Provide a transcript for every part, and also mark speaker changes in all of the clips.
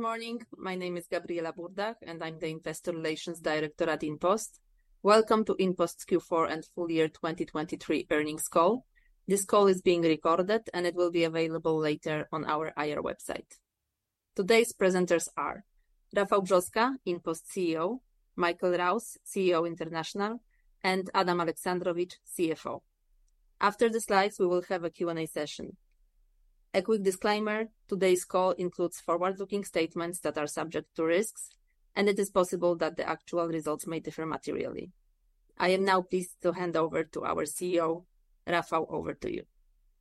Speaker 1: Good morning, my name is Gabriela Burdach and I'm the Investor Relations Director at InPost. Welcome to InPost Q4 and Full year 2023 earnings call. This call is being recorded and it will be available later on our IR website. Today's presenters are: Rafał Brzoska, InPost CEO; Michael Rouse, CEO International; and Adam Aleksandrowicz, CFO. After the slides we will have a Q&A session. A quick disclaimer: today's call includes forward-looking statements that are subject to risks, and it is possible that the actual results may differ materially. I am now pleased to hand over to our CEO, Rafał, over to you.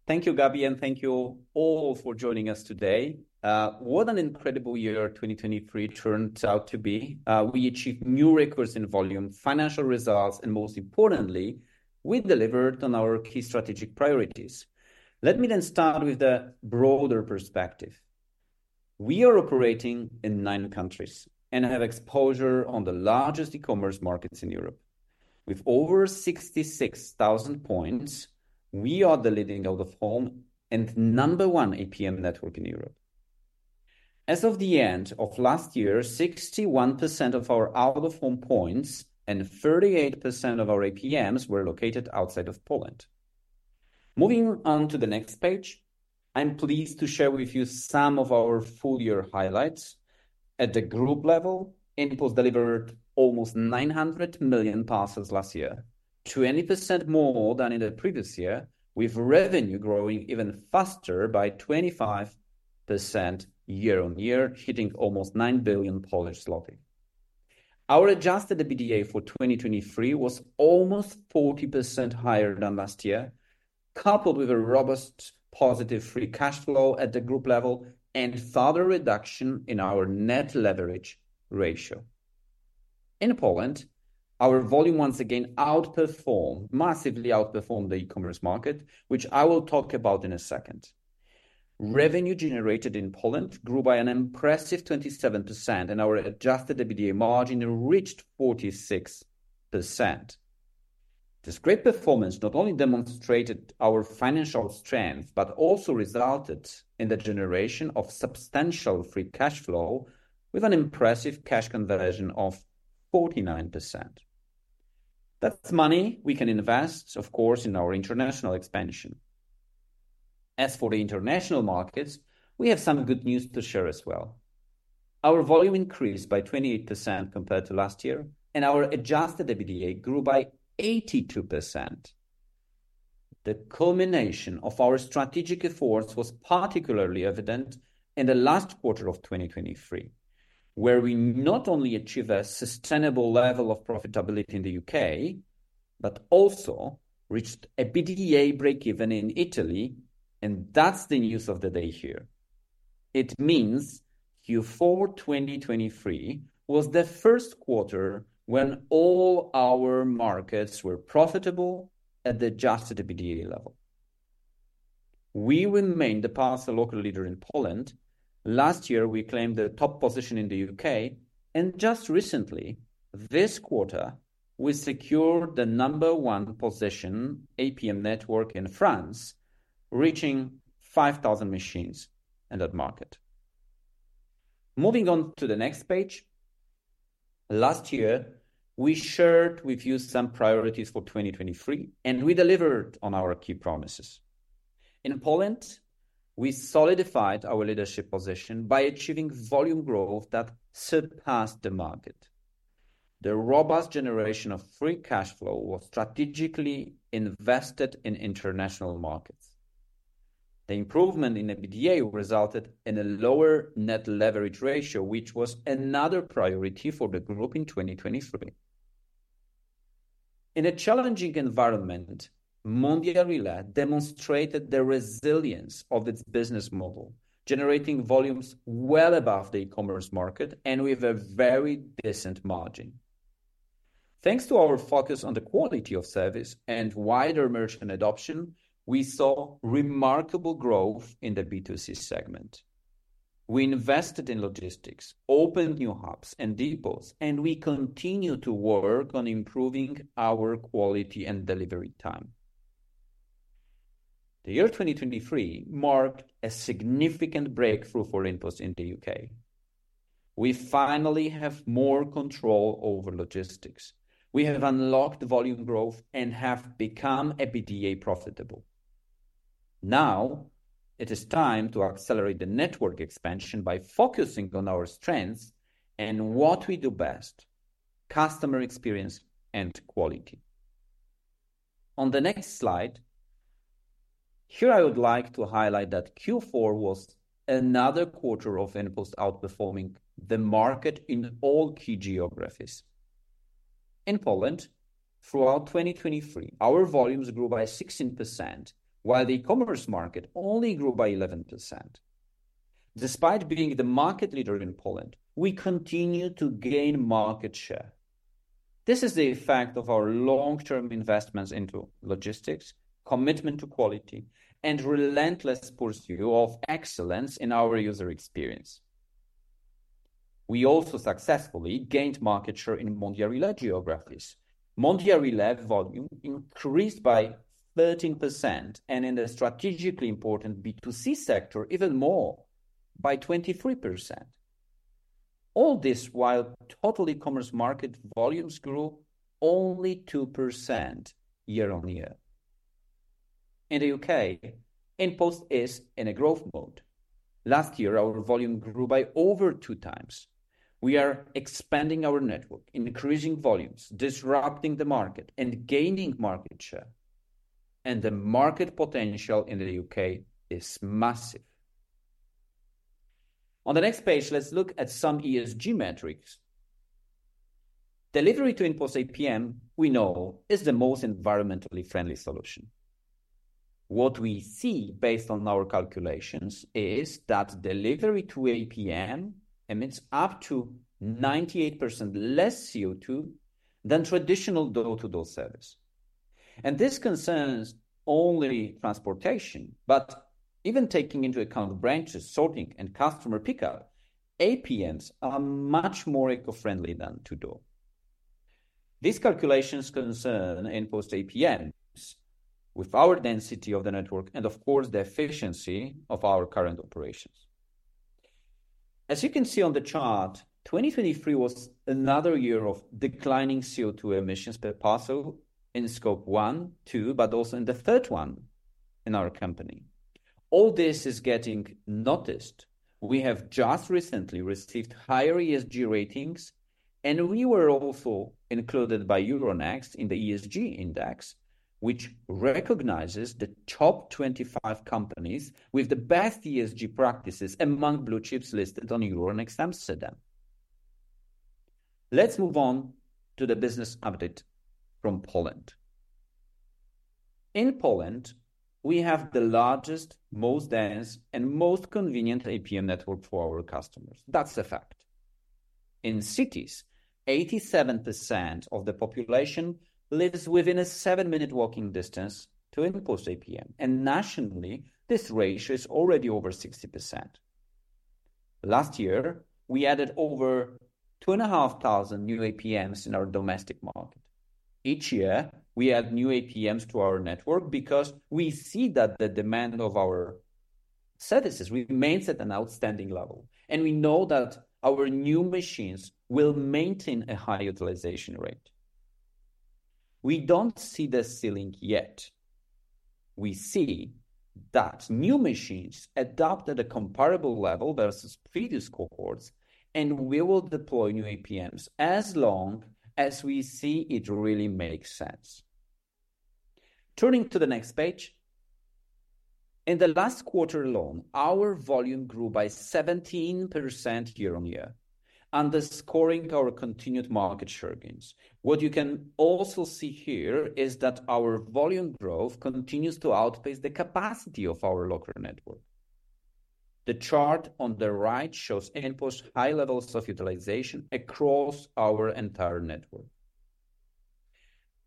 Speaker 2: Thank you, Gabi, and thank you all for joining us today. What an incredible year 2023 turned out to be. We achieved new records in volume, financial results, and most importantly, we delivered on our key strategic priorities. Let me then start with the broader perspective. We are operating in nine countries and have exposure on the largest e-commerce markets in Europe. With over 66,000 points, we are the leading out-of-home and number one APM network in Europe. As of the end of last year, 61% of our out-of-home points and 38% of our APMs were located outside of Poland. Moving on to the next page, I'm pleased to share with you some of our full year highlights. At the group level, InPost delivered almost 900 million parcels last year, 20% more than in the previous year, with revenue growing even faster by 25% year-on-year, hitting almost 9 billion. Our adjusted EBITDA for 2023 was almost 40% higher than last year, coupled with a robust positive free cash flow at the group level and further reduction in our net leverage ratio. In Poland, our volume once again outperformed, massively outperformed the e-commerce market, which I will talk about in a second. Revenue generated in Poland grew by an impressive 27% and our adjusted EBITDA margin reached 46%. This great performance not only demonstrated our financial strength but also resulted in the generation of substantial free cash flow with an impressive cash conversion of 49%. That's money we can invest, of course, in our international expansion. As for the international markets, we have some good news to share as well. Our volume increased by 28% compared to last year and our adjusted EBITDA grew by 82%. The culmination of our strategic efforts was particularly evident in the last quarter of 2023, where we not only achieved a sustainable level of profitability in the U.K., but also reached an EBITDA break-even in Italy, and that's the news of the day here. It means Q4 2023 was the first quarter when all our markets were profitable at the adjusted EBITDA level. We remain the parcel locker leader in Poland. Last year we claimed the top position in the U.K., and just recently, this quarter, we secured the number one position APM network in France, reaching 5,000 machines in that market. Moving on to the next page. Last year we shared with you some priorities for 2023 and we delivered on our key promises. In Poland, we solidified our leadership position by achieving volume growth that surpassed the market. The robust generation of free cash flow was strategically invested in international markets. The improvement in the EBITDA resulted in a lower net leverage ratio, which was another priority for the group in 2023. In a challenging environment, Mondial Relay demonstrated the resilience of its business model, generating volumes well above the e-commerce market and with a very decent margin. Thanks to our focus on the quality of service and wider merchant adoption, we saw remarkable growth in the B2C segment. We invested in logistics, opened new hubs and depots, and we continue to work on improving our quality and delivery time. The year 2023 marked a significant breakthrough for InPost in the U.K.. We finally have more control over logistics. We have unlocked volume growth and have become EBITDA profitable. Now it is time to accelerate the network expansion by focusing on our strengths and what we do best: customer experience and quality. On the next slide. Here I would like to highlight that Q4 was another quarter of InPost outperforming the market in all key geographies. In Poland, throughout 2023, our volumes grew by 16%, while the e-commerce market only grew by 11%. Despite being the market leader in Poland, we continue to gain market share. This is the effect of our long-term investments into logistics, commitment to quality, and relentless pursuit of excellence in our user experience. We also successfully gained market share in Mondial Relay geographies. Mondial Relay volume increased by 13% and in the strategically important B2C sector even more by 23%. All this while total e-commerce market volumes grew only 2% year-over-year. In the U.K., InPost is in a growth mode. Last year our volume grew by over two times. We are expanding our network, increasing volumes, disrupting the market, and gaining market share. The market potential in the U.K. is massive. On the next page, let's look at some ESG metrics. Delivery to InPost APM, we know, is the most environmentally friendly solution. What we see based on our calculations is that delivery to APM emits up to 98% less CO2 than traditional door-to-door service. This concerns only transportation, but even taking into account branches, sorting, and customer pickup, APMs are much more eco-friendly than door-to-door. These calculations concern InPost APMs with our density of the network and, of course, the efficiency of our current operations. As you can see on the chart, 2023 was another year of declining CO2 emissions per parcel in Scope 1, 2, but also in the third one in our company. All this is getting noticed. We have just recently received higher ESG ratings, and we were also included by Euronext in the ESG index, which recognizes the top 25 companies with the best ESG practices among blue chips listed on Euronext Amsterdam. Let's move on to the business update from Poland. In Poland, we have the largest, most dense, and most convenient APM network for our customers. That's a fact. In cities, 87% of the population lives within a seven-minute walking distance to InPost APM, and nationally this ratio is already over 60%. Last year we added over 2,500 new APMs in our domestic market. Each year we add new APMs to our network because we see that the demand of our services remains at an outstanding level, and we know that our new machines will maintain a high utilization rate. We don't see the ceiling yet. We see that new machines adopt at a comparable level versus previous cohorts, and we will deploy new APMs as long as we see it really makes sense. Turning to the next page. In the last quarter alone, our volume grew by 17% year-on-year, underscoring our continued market share gains. What you can also see here is that our volume growth continues to outpace the capacity of our local network. The chart on the right shows InPost high levels of utilization across our entire network.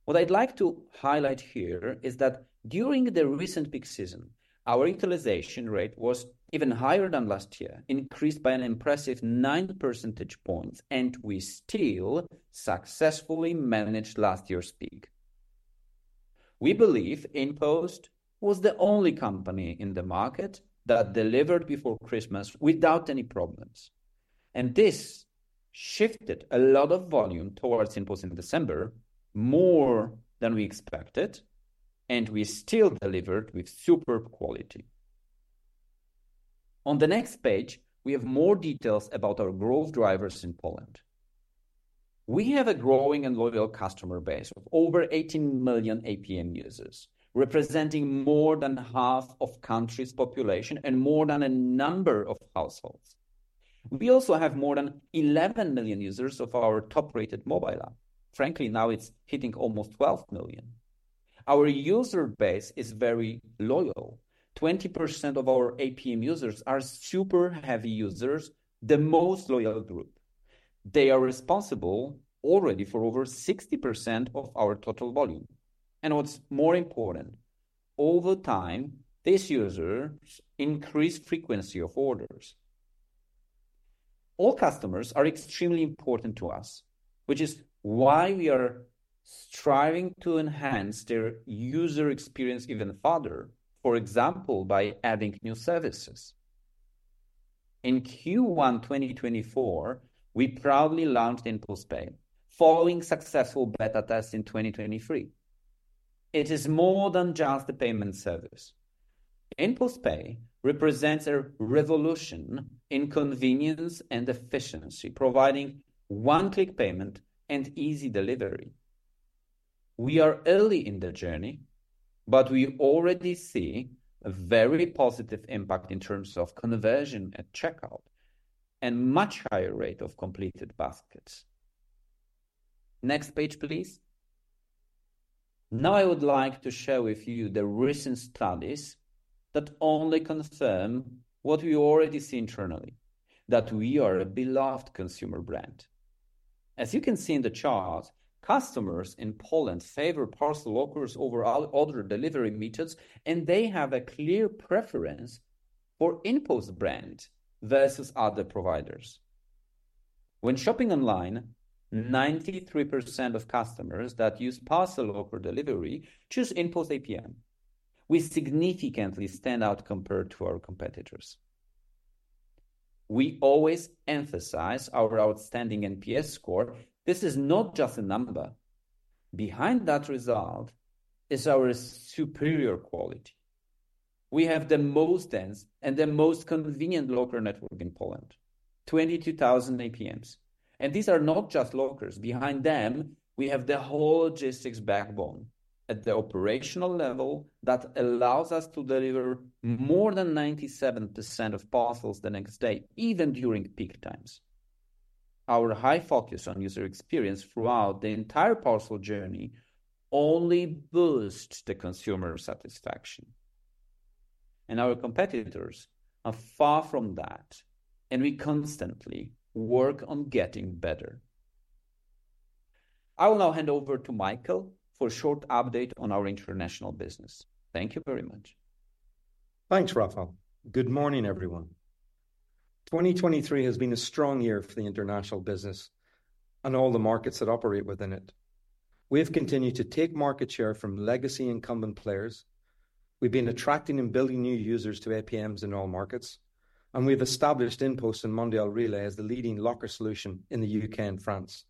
Speaker 2: What I'd like to highlight here is that during the recent peak season, our utilization rate was even higher than last year, increased by an impressive 9 percentage points, and we still successfully managed last year's peak. We believe InPost was the only company in the market that delivered before Christmas without any problems. This shifted a lot of volume towards InPost in December more than we expected, and we still delivered with superb quality. On the next page, we have more details about our growth drivers in Poland. We have a growing and loyal customer base of over 18 million APM users, representing more than half of country's population and more than a number of households. We also have more than 11 million users of our top-rated mobile app. Frankly, now it's hitting almost 12 million. Our user base is very loyal. 20% of our APM users are super heavy users, the most loyal group. They are responsible already for over 60% of our total volume. What's more important, over time these users increase the frequency of orders. All customers are extremely important to us, which is why we are striving to enhance their user experience even further, for example, by adding new services. In Q1 2024, we proudly launched InPost Pay following successful beta tests in 2023. It is more than just a payment service. InPost Pay represents a revolution in convenience and efficiency, providing one-click payment and easy delivery. We are early in the journey, but we already see a very positive impact in terms of conversion at checkout and a much higher rate of completed baskets. Next page, please. Now I would like to share with you the recent studies that only confirm what we already see internally, that we are a beloved consumer brand. As you can see in the chart, customers in Poland favor parcel lockers over other delivery methods, and they have a clear preference for InPost brand versus other providers. When shopping online, 93% of customers that use parcel locker delivery choose InPost APM. We significantly stand out compared to our competitors. We always emphasize our outstanding NPS score. This is not just a number. Behind that result is our superior quality. We have the most dense and the most convenient local network in Poland, 22,000 APMs. These are not just lockers. Behind them, we have the whole logistics backbone at the operational level that allows us to deliver more than 97% of parcels the next day, even during peak times. Our high focus on user experience throughout the entire parcel journey only boosts the consumer satisfaction. Our competitors are far from that, and we constantly work on getting better. I will now hand over to Michael for a short update on our international business. Thank you very much.
Speaker 1: Thanks, Rafał. Good morning, everyone. 2023 has been a strong year for the international business and all the markets that operate within it. We have continued to take market share from legacy incumbent players. We've been attracting and building new users to APMs in all markets, and we've established InPost and Mondial Relay as the leading locker solution in the U.K. and France.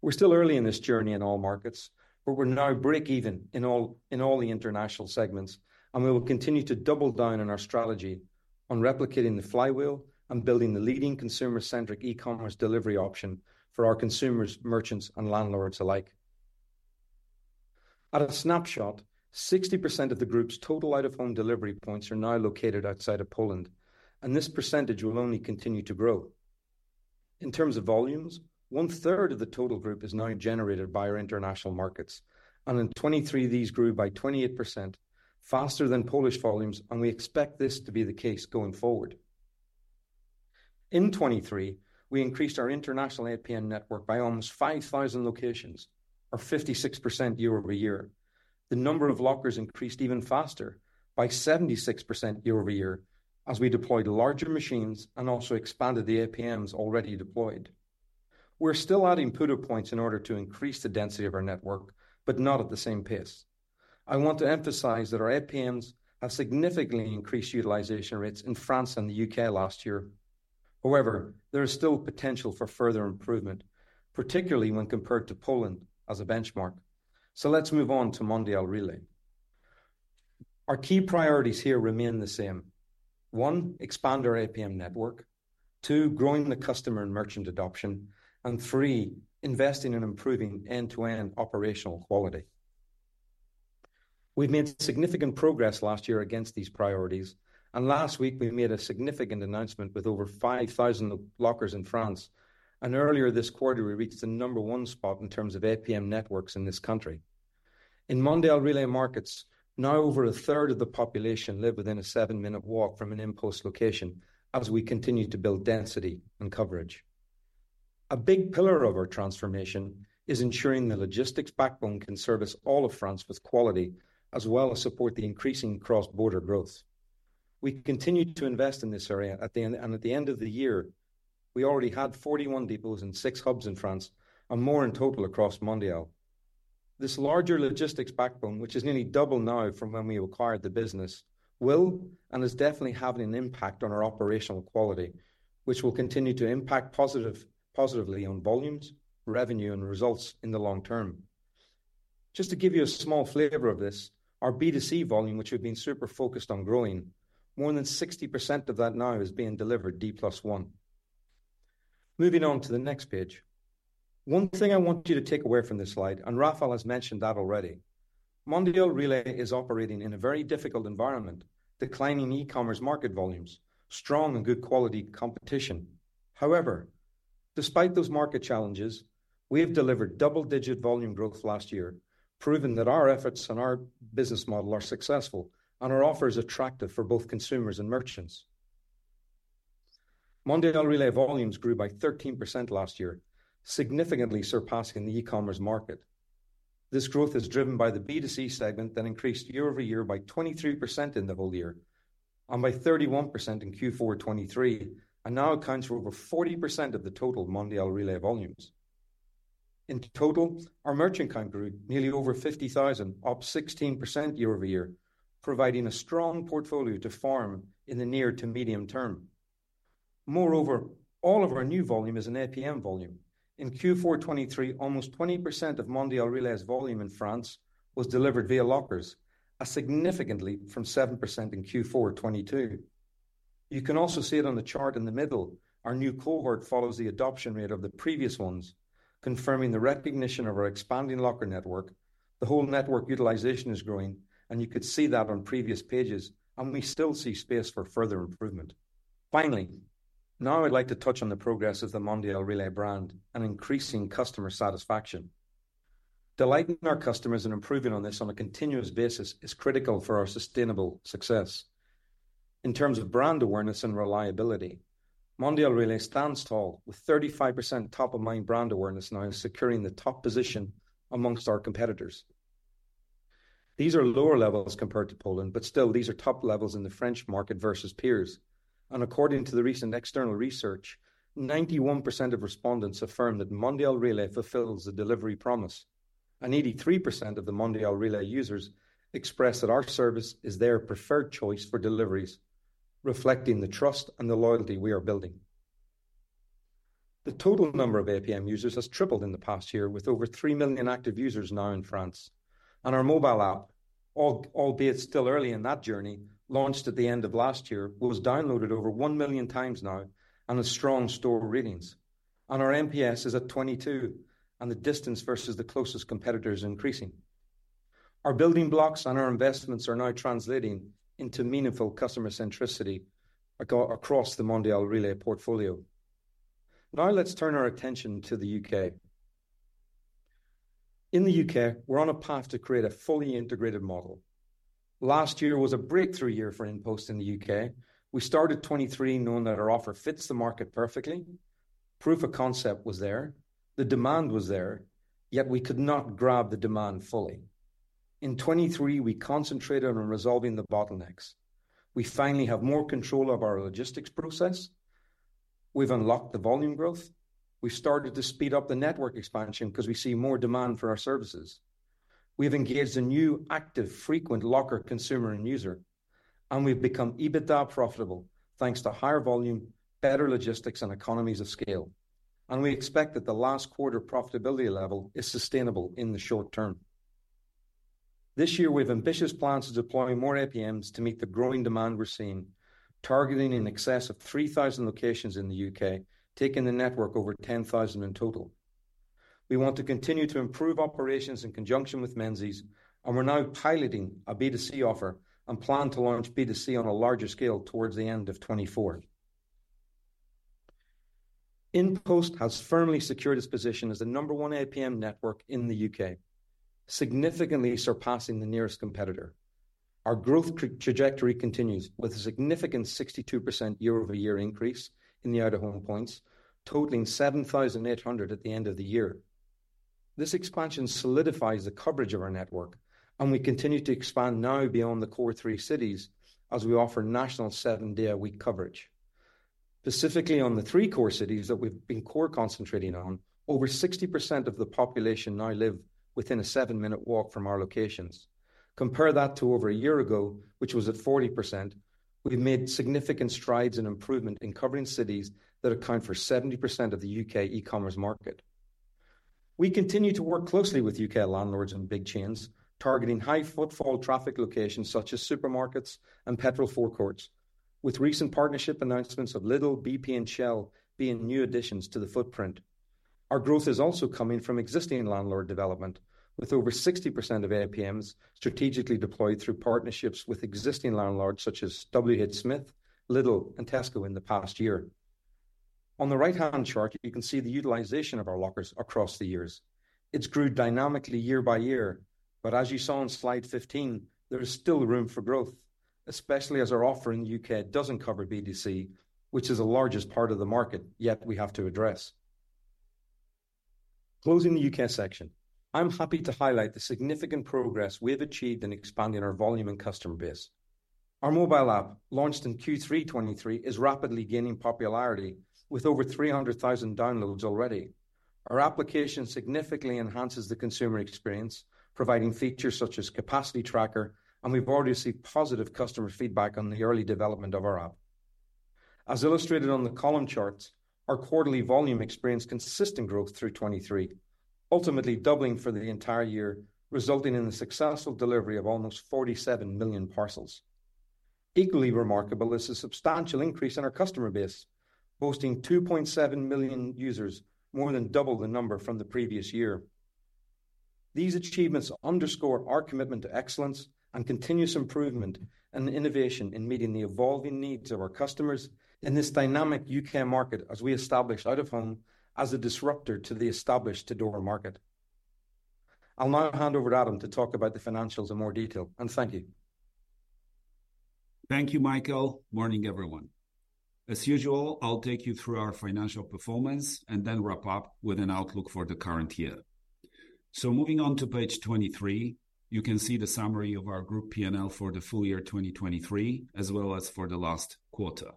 Speaker 1: We're still early in this journey in all markets, but we're now break-even in all the international segments, and we will continue to double down on our strategy on replicating the flywheel and building the leading consumer-centric e-commerce delivery option for our consumers, merchants, and landlords alike. At a snapshot, 60% of the group's total out-of-home delivery points are now located outside of Poland, and this percentage will only continue to grow. In terms of volumes, one-third of the total group is now generated by our international markets, and in 2023 these grew by 28%, faster than Polish volumes, and we expect this to be the case going forward. In 2023, we increased our international APM network by almost 5,000 locations, or 56% year-over-year. The number of lockers increased even faster by 76% year-over-year as we deployed larger machines and also expanded the APMs already deployed. We're still adding pivot points in order to increase the density of our network, but not at the same pace. I want to emphasize that our APMs have significantly increased utilization rates in France and the U.K. last year. However, there is still potential for further improvement, particularly when compared to Poland as a benchmark. Let's move on to Mondial Relay. Our key priorities here remain the same. 1, expand our APM network. 2, growing the customer and merchant adoption. 3, investing in improving end-to-end operational quality. We've made significant progress last year against these priorities, and last week we made a significant announcement with over 5,000 lockers in France, and earlier this quarter we reached the number one spot in terms of APM networks in this country. In Mondial Relay markets, now over a third of the population live within a 7-minute walk from an InPost location as we continue to build density and coverage. A big pillar of our transformation is ensuring the logistics backbone can service all of France with quality as well as support the increasing Cross Border growth. We continue to invest in this area, and at the end of the year, we already had 41 depots and 6 hubs in France and more in total across Mondial Relay. This larger logistics backbone, which is nearly double now from when we acquired the business, will and is definitely having an impact on our operational quality, which will continue to impact positively on volumes, revenue, and results in the long term. Just to give you a small flavor of this, our B2C volume, which had been super focused on growing, more than 60% of that now is being delivered D+1. Moving on to the next page. One thing I want you to take away from this slide, and Rafał has mentioned that already, Mondial Relay is operating in a very difficult environment, declining e-commerce market volumes, strong and good quality competition. However, despite those market challenges, we have delivered double-digit volume growth last year, proving that our efforts and our business model are successful and our offers attractive for both consumers and merchants. Relay volumes grew by 13% last year, significantly surpassing the e-commerce market. This growth is driven by the B2C segment that increased year-over-year by 23% in the whole year, and by 31% in Q4 2023, and now accounts for over 40% of the total Mondial Relay volumes. In total, our merchant count grew nearly over 50,000, up 16% year-over-year, providing a strong portfolio to farm in the near to medium term. Moreover, all of our new volume is an APM volume. In Q4 2023, almost 20% of Mondial Relay's volume in France was delivered via lockers, a significant leap from 7% in Q4 2022. You can also see it on the chart in the middle. Our new cohort follows the adoption rate of the previous ones, confirming the recognition of our expanding locker network. The whole network utilization is growing, and you could see that on previous pages, and we still see space for further improvement. Finally, now I'd like to touch on the progress of the Mondial Relay brand and increasing customer satisfaction. Delighting our customers and improving on this on a continuous basis is critical for our sustainable success. In terms of brand awareness and reliability, Mondial Relay stands tall with 35% top-of-mind brand awareness now, securing the top position amongst our competitors. These are lower levels compared to Poland, but still, these are top levels in the French market versus peers. According to the recent external research, 91% of respondents affirm that Mondial Relay fulfills the delivery promise, and 83% of the Mondial Relay users express that our service is their preferred choice for deliveries, reflecting the trust and the loyalty we are building. The total number of APM users has tripled in the past year, with over 3 million active users now in France. Our mobile app, albeit still early in that journey, launched at the end of last year, was downloaded over 1 million times now and has strong store ratings. Our NPS is at 22, and the distance versus the closest competitors is increasing. Our building blocks and our investments are now translating into meaningful customer centricity across the Mondial Relay portfolio. Now let's turn our attention to the U.K. In the U.K., we're on a path to create a fully integrated model. Last year was a breakthrough year for InPost in the U.K. We started 2023 knowing that our offer fits the market perfectly. Proof of concept was there. The demand was there, yet we could not grab the demand fully. In 2023, we concentrated on resolving the bottlenecks. We finally have more control of our logistics process. We've unlocked the volume growth. We've started to speed up the network expansion because we see more demand for our services. We've engaged a new active, frequent locker consumer and user, and we've become EBITDA profitable thanks to higher volume, better logistics, and economies of scale. We expect that the last quarter profitability level is sustainable in the short term. This year, we have ambitious plans to deploy more APMs to meet the growing demand we're seeing, targeting an excess of 3,000 locations in the U.K., taking the network over 10,000 in total. We want to continue to improve operations in conjunction with Menzies, and we're now piloting a B2C offer and plan to launch B2C on a larger scale towards the end of 2024. InPost has firmly secured its position as the number one APM network in the U.K. significantly surpassing the nearest competitor. Our growth trajectory continues with a significant 62% year-over-year increase in the out-of-home points, totaling 7,800 at the end of the year. This expansion solidifies the coverage of our network, and we continue to expand now beyond the core three cities as we offer national seven-day-a-week coverage. Specifically on the three core cities that we've been core concentrating on, over 60% of the population now live within a seven-minute walk from our locations. Compare that to over a year ago, which was at 40%. We've made significant strides in improvement in covering cities that account for 70% of the U.K. e-commerce market. We continue to work closely with U.K. landlords and big chains, targeting high-footfall traffic locations such as supermarkets and petrol forecourts, with recent partnership announcements of Lidl, BP, and Shell being new additions to the footprint. Our growth is also coming from existing landlord development, with over 60% of APMs strategically deployed through partnerships with existing landlords such as WHSmith, Lidl, and Tesco in the past year. On the right-hand chart, you can see the utilization of our lockers across the years. It's grown dynamically year by year, but as you saw on slide 15, there is still room for growth, especially as our offer in the U.K. doesn't cover B2C, which is the largest part of the market yet we have to address. Closing the U.K. section, I'm happy to highlight the significant progress we have achieved in expanding our volume and customer base. Our mobile app, launched in Q3 2023, is rapidly gaining popularity with over 300,000 downloads already. Our application significantly enhances the consumer experience, providing features such as capacity tracker, and we've already seen positive customer feedback on the early development of our app. As illustrated on the column charts, our quarterly volume experienced consistent growth through 2023, ultimately doubling for the entire year, resulting in the successful delivery of almost 47 million parcels. Equally remarkable is a substantial increase in our customer base, boasting 2.7 million users, more than double the number from the previous year. These achievements underscore our commitment to excellence and continuous improvement and innovation in meeting the evolving needs of our customers in this dynamic U.K. market as we establish out-of-home as a disruptor to the established-to-door market. I'll now hand over to Adam to talk about the financials in more detail, and thank you.
Speaker 3: Thank you, Michael. Morning, everyone. As usual, I'll take you through our financial performance and then wrap up with an outlook for the current year. Moving on to page 23, you can see the summary of our group P&L for the full year 2023 as well as for the last quarter.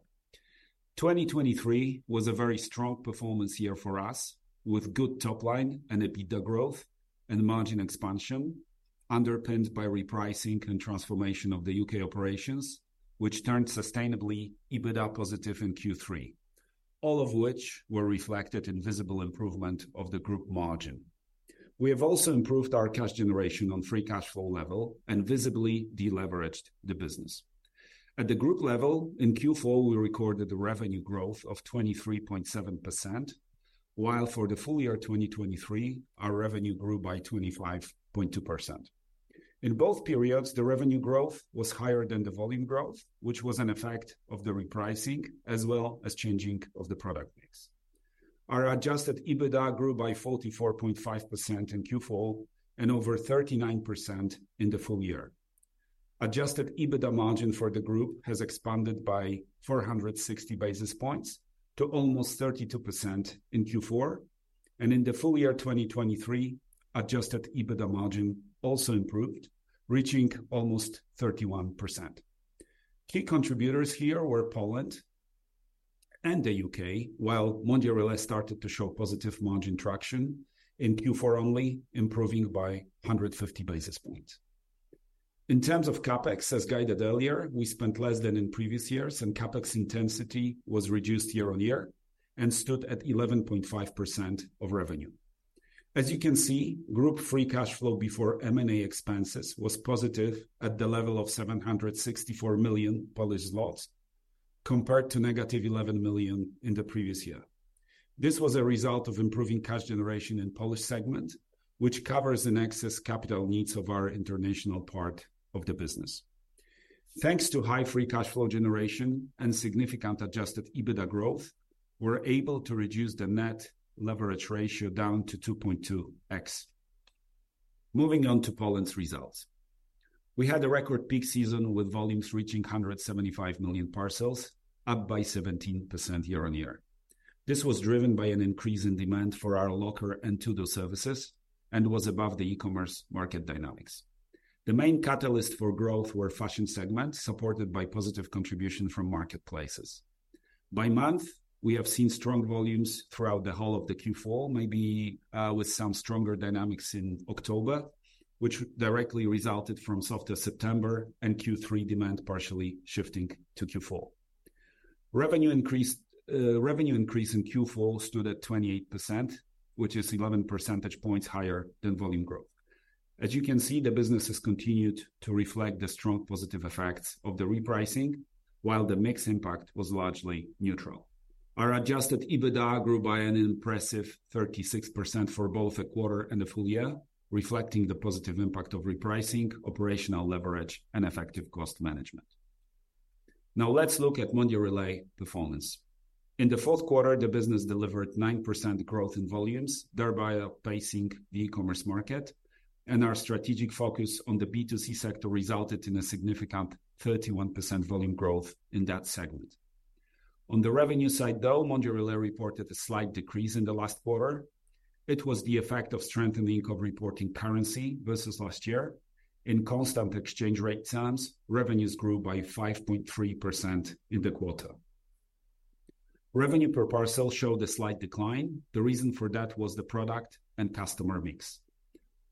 Speaker 3: 2023 was a very strong performance year for us, with good topline and EBITDA growth and margin expansion underpinned by repricing and transformation of the U.K. operations, which turned sustainably EBITDA positive in Q3, all of which were reflected in visible improvement of the group margin. We have also improved our cash generation on free cash flow level and visibly deleveraged the business. At the group level, in Q4, we recorded the revenue growth of 23.7%, while for the full year 2023, our revenue grew by 25.2%. In both periods, the revenue growth was higher than the volume growth, which was an effect of the repricing as well as changing of the product mix. Our Adjusted EBITDA grew by 44.5% in Q4 and over 39% in the full year. Adjusted EBITDA margin for the group has expanded by 460 basis points to almost 32% in Q4, and in the full year 2023, Adjusted EBITDA margin also improved, reaching almost 31%. Key contributors here were Poland and the U.K., while Mondial Relay started to show positive margin traction in Q4 only, improving by 150 basis points. In terms of CapEx, as guided earlier, we spent less than in previous years, and CapEx intensity was reduced year on year and stood at 11.5% of revenue. As you can see, group free cash flow before M&A expenses was positive at the level of 764 million Polish zlotys compared to negative 11 million in the previous year. This was a result of improving cash generation in the Polish segment, which covers the nexus capital needs of our international part of the business. Thanks to high free cash flow generation and significant Adjusted EBITDA growth, we're able to reduce the net leverage ratio down to 2.2x. Moving on to Poland's results. We had a record peak season with volumes reaching 175 million parcels, up by 17% year-on-year. This was driven by an increase in demand for our locker and PUDO services and was above the e-commerce market dynamics. The main catalyst for growth were fashion segments, supported by positive contribution from marketplaces. By month, we have seen strong volumes throughout the whole of the Q4, maybe with some stronger dynamics in October, which directly resulted from softer September and Q3 demand partially shifting to Q4. Revenue increase in Q4 stood at 28%, which is 11 percentage points higher than volume growth. As you can see, the business has continued to reflect the strong positive effects of the repricing, while the mixed impact was largely neutral. Our Adjusted EBITDA grew by an impressive 36% for both the quarter and the full year, reflecting the positive impact of repricing, operational leverage, and effective cost management. Now let's look at Mondial Relay performance. In the fourth quarter, the business delivered 9% growth in volumes, thereby outpacing the e-commerce market, and our strategic focus on the B2C sector resulted in a significant 31% volume growth in that segment. On the revenue side, though, Mondial Relay reported a slight decrease in the last quarter. It was the effect of strengthening of reporting currency versus last year. In constant exchange rate terms, revenues grew by 5.3% in the quarter. Revenue per parcel showed a slight decline. The reason for that was the product and customer mix.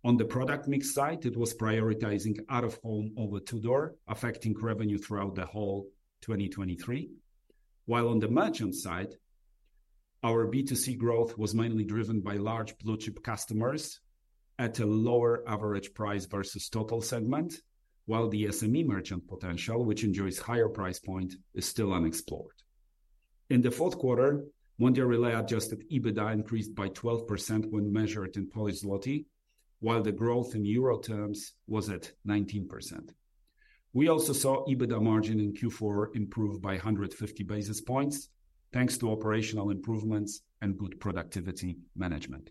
Speaker 3: On the product mix side, it was prioritizing out-of-home over door-to-door, affecting revenue throughout the whole 2023. While on the merchant side, our B2C growth was mainly driven by large blue-chip customers at a lower average price versus total segment, while the SME merchant potential, which enjoys higher price points, is still unexplored. In the fourth quarter, Mondial Relay adjusted EBITDA increased by 12% when measured in Polish zlotys, while the growth in euro terms was at 19%. We also saw EBITDA margin in Q4 improve by 150 basis points, thanks to operational improvements and good productivity management.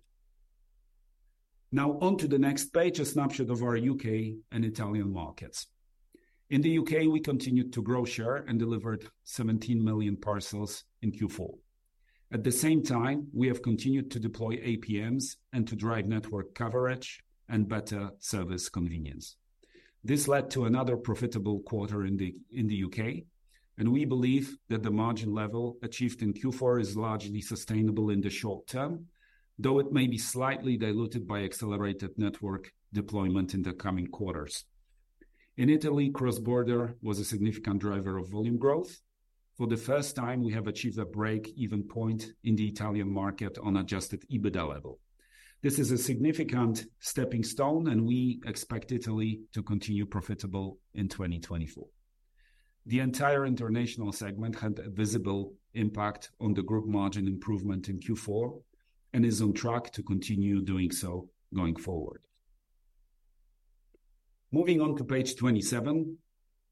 Speaker 3: Now onto the next page, a snapshot of our U.K. and Italian markets. In the U.K., we continued to grow share and delivered 17 million parcels in Q4. At the same time, we have continued to deploy APMs and to drive network coverage and better service convenience. This led to another profitable quarter in the U.K., and we believe that the margin level achieved in Q4 is largely sustainable in the short term, though it may be slightly diluted by accelerated network deployment in the coming quarters. In Italy, Cross-Border was a significant driver of volume growth. For the first time, we have achieved a break-even point in the Italian market on adjusted EBITDA level. This is a significant stepping stone, and we expect Italy to continue profitable in 2024. The entire international segment had a visible impact on the group margin improvement in Q4 and is on track to continue doing so going forward. Moving on to page 27,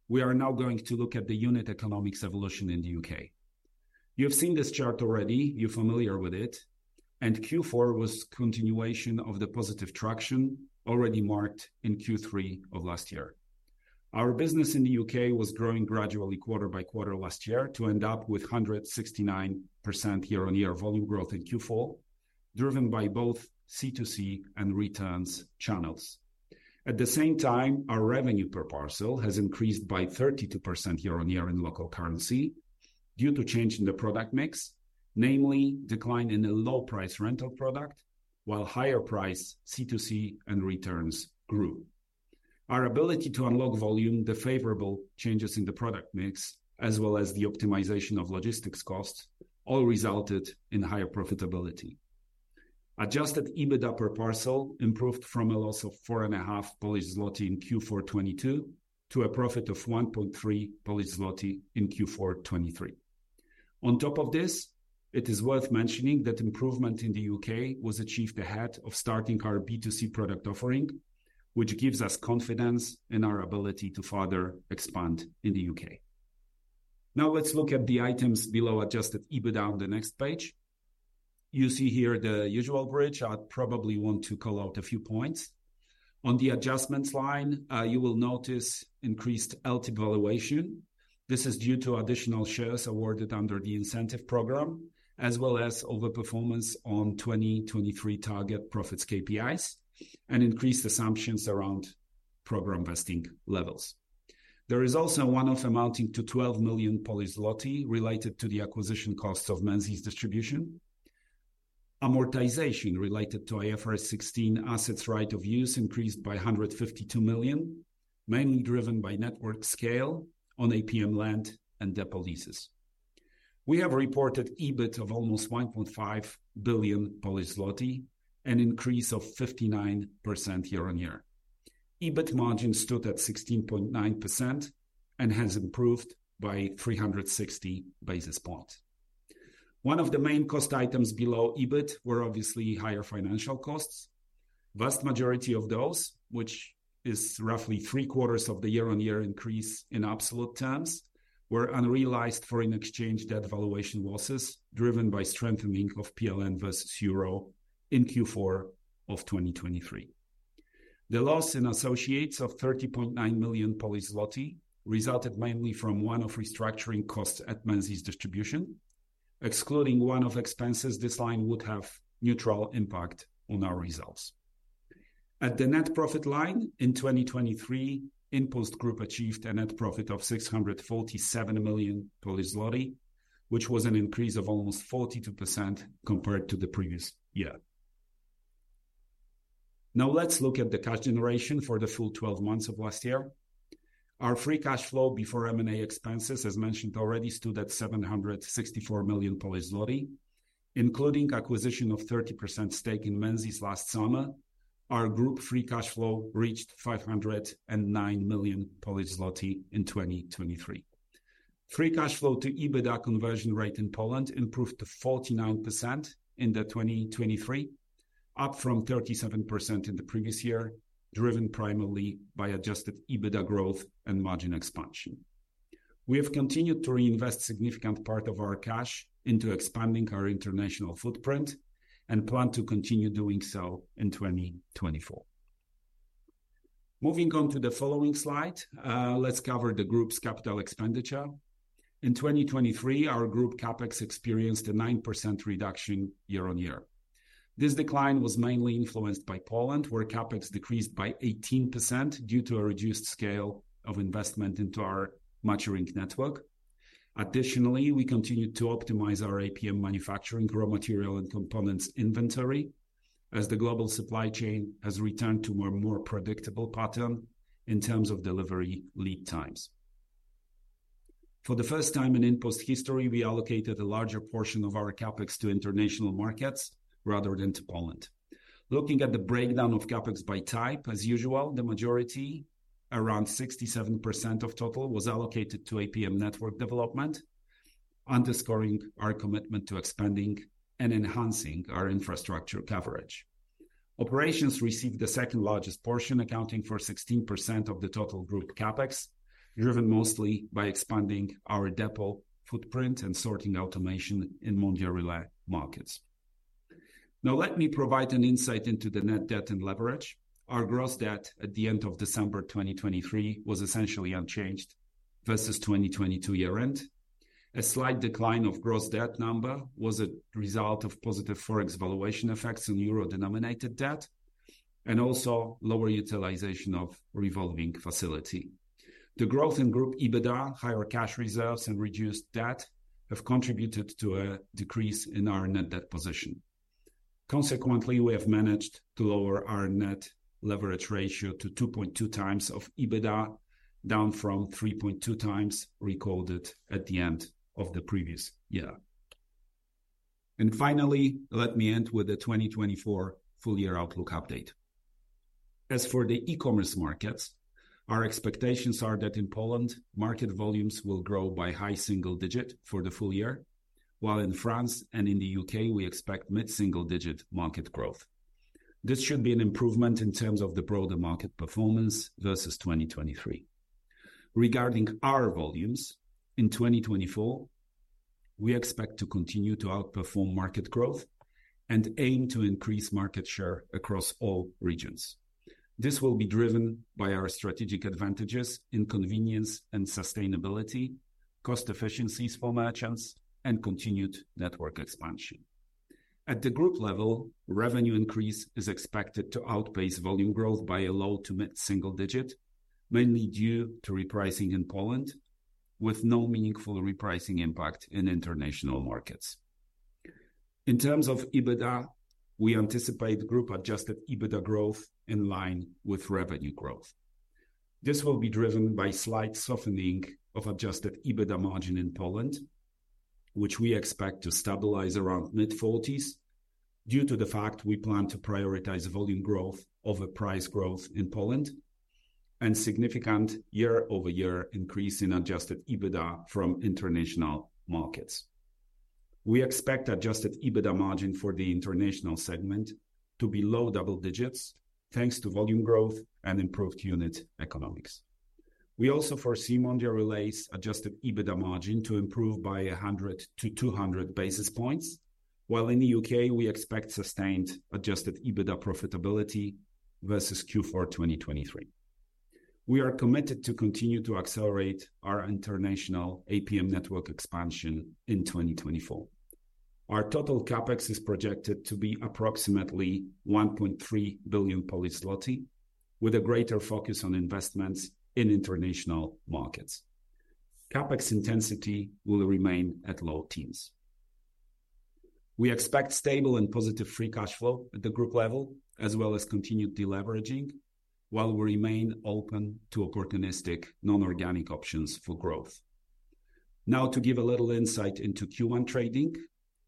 Speaker 3: we are now going to look at the unit economics evolution in the U.K. You have seen this chart already. You're familiar with it. Q4 was a continuation of the positive traction already marked in Q3 of last year. Our business in the U.K. was growing gradually quarter by quarter last year to end up with 169% year-on-year volume growth in Q4, driven by both C2C and returns channels. At the same time, our revenue per parcel has increased by 32% year-on-year in local currency due to change in the product mix, namely a decline in the low-price rental product, while higher-priced C2C and returns grew. Our ability to unlock volume, the favorable changes in the product mix, as well as the optimization of logistics costs, all resulted in higher profitability. Adjusted EBITDA per parcel improved from a loss of 4.5 Polish zloty in Q4 2022 to a profit of 1.3 Polish zloty in Q4 2023. On top of this, it is worth mentioning that improvement in the U.K. was achieved ahead of starting our B2C product offering, which gives us confidence in our ability to further expand in the U.K. Now let's look at the items below adjusted EBITDA on the next page. You see here the usual bridge. I'd probably want to call out a few points. On the adjustments line, you will notice increased LT valuation. This is due to additional shares awarded under the incentive program, as well as overperformance on 2023 target profits KPIs and increased assumptions around program vesting levels. There is also one-off amounting to 12 million related to the acquisition costs of Menzies Distribution. Amortization related to IFRS 16 right-of-use assets increased by 152 million, mainly driven by network scale on APM land and depot leases. We have reported EBIT of almost 1.5 billion Polish zloty, an increase of 59% year-on-year. EBIT margin stood at 16.9% and has improved by 360 basis points. One of the main cost items below EBIT were obviously higher financial costs. The vast majority of those, which is roughly three-quarters of the year-on-year increase in absolute terms, were unrealized foreign exchange debt valuation losses driven by strengthening of PLN versus euro in Q4 of 2023. The loss in associates of 30.9 million resulted mainly from one-off restructuring costs at Menzies Distribution. Excluding one-off expenses, this line would have neutral impact on our results. At the net profit line in 2023, InPost Group achieved a net profit of 647 million zloty, which was an increase of almost 42% compared to the previous year. Now let's look at the cash generation for the full 12 months of last year. Our free cash flow before M&A expenses, as mentioned already, stood at 764 million Polish zloty, including acquisition of 30% stake in Menzies' last summer. Our group free cash flow reached 509 million Polish zloty in 2023. Free cash flow to EBITDA conversion rate in Poland improved to 49% in 2023, up from 37% in the previous year, driven primarily by adjusted EBITDA growth and margin expansion. We have continued to reinvest a significant part of our cash into expanding our international footprint and plan to continue doing so in 2024. Moving on to the following slide, let's cover the group's capital expenditure. In 2023, our group CapEx experienced a 9% reduction year on year. This decline was mainly influenced by Poland, where CapEx decreased by 18% due to a reduced scale of investment into our maturing network. Additionally, we continued to optimize our APM manufacturing raw material and components inventory as the global supply chain has returned to a more predictable pattern in terms of delivery lead times. For the first time in InPost history, we allocated a larger portion of our CapEx to international markets rather than to Poland. Looking at the breakdown of CapEx by type, as usual, the majority, around 67% of total, was allocated to APM network development, underscoring our commitment to expanding and enhancing our infrastructure coverage. Operations received the second largest portion, accounting for 16% of the total group CapEx, driven mostly by expanding our depot footprint and sorting automation in Mondial Relay markets. Now let me provide an insight into the net debt and leverage. Our gross debt at the end of December 2023 was essentially unchanged versus 2022 year-end. A slight decline of gross debt number was a result of positive forex valuation effects on euro-denominated debt and also lower utilization of revolving facility. The growth in group EBITDA, higher cash reserves, and reduced debt have contributed to a decrease in our net debt position. Consequently, we have managed to lower our net leverage ratio to 2.2x EBITDA, down from 3.2x recorded at the end of the previous year. And finally, let me end with the 2024 full year outlook update. As for the e-commerce markets, our expectations are that in Poland, market volumes will grow by high single digit for the full year, while in France and in the U.K., we expect mid-single digit market growth. This should be an improvement in terms of the broader market performance versus 2023. Regarding our volumes in 2024, we expect to continue to outperform market growth and aim to increase market share across all regions. This will be driven by our strategic advantages in convenience and sustainability, cost efficiencies for merchants, and continued network expansion. At the group level, revenue increase is expected to outpace volume growth by a low- to mid-single-digit, mainly due to repricing in Poland, with no meaningful repricing impact in international markets. In terms of EBITDA, we anticipate group adjusted EBITDA growth in line with revenue growth. This will be driven by slight softening of adjusted EBITDA margin in Poland, which we expect to stabilize around mid-forties due to the fact we plan to prioritize volume growth over price growth in Poland and a significant year-over-year increase in adjusted EBITDA from international markets. We expect adjusted EBITDA margin for the international segment to be low double digits, thanks to volume growth and improved unit economics. We also foresee Mondial Relay's adjusted EBITDA margin to improve by 100 to 200 basis points, while in the U.K., we expect sustained adjusted EBITDA profitability versus Q4 2023. We are committed to continue to accelerate our international APM network expansion in 2024. Our total CapEx is projected to be approximately 1.3 billion, with a greater focus on investments in international markets. CapEx intensity will remain at low teens. We expect stable and positive free cash flow at the group level, as well as continued deleveraging, while we remain open to opportunistic non-organic options for growth. Now, to give a little insight into Q1 trading,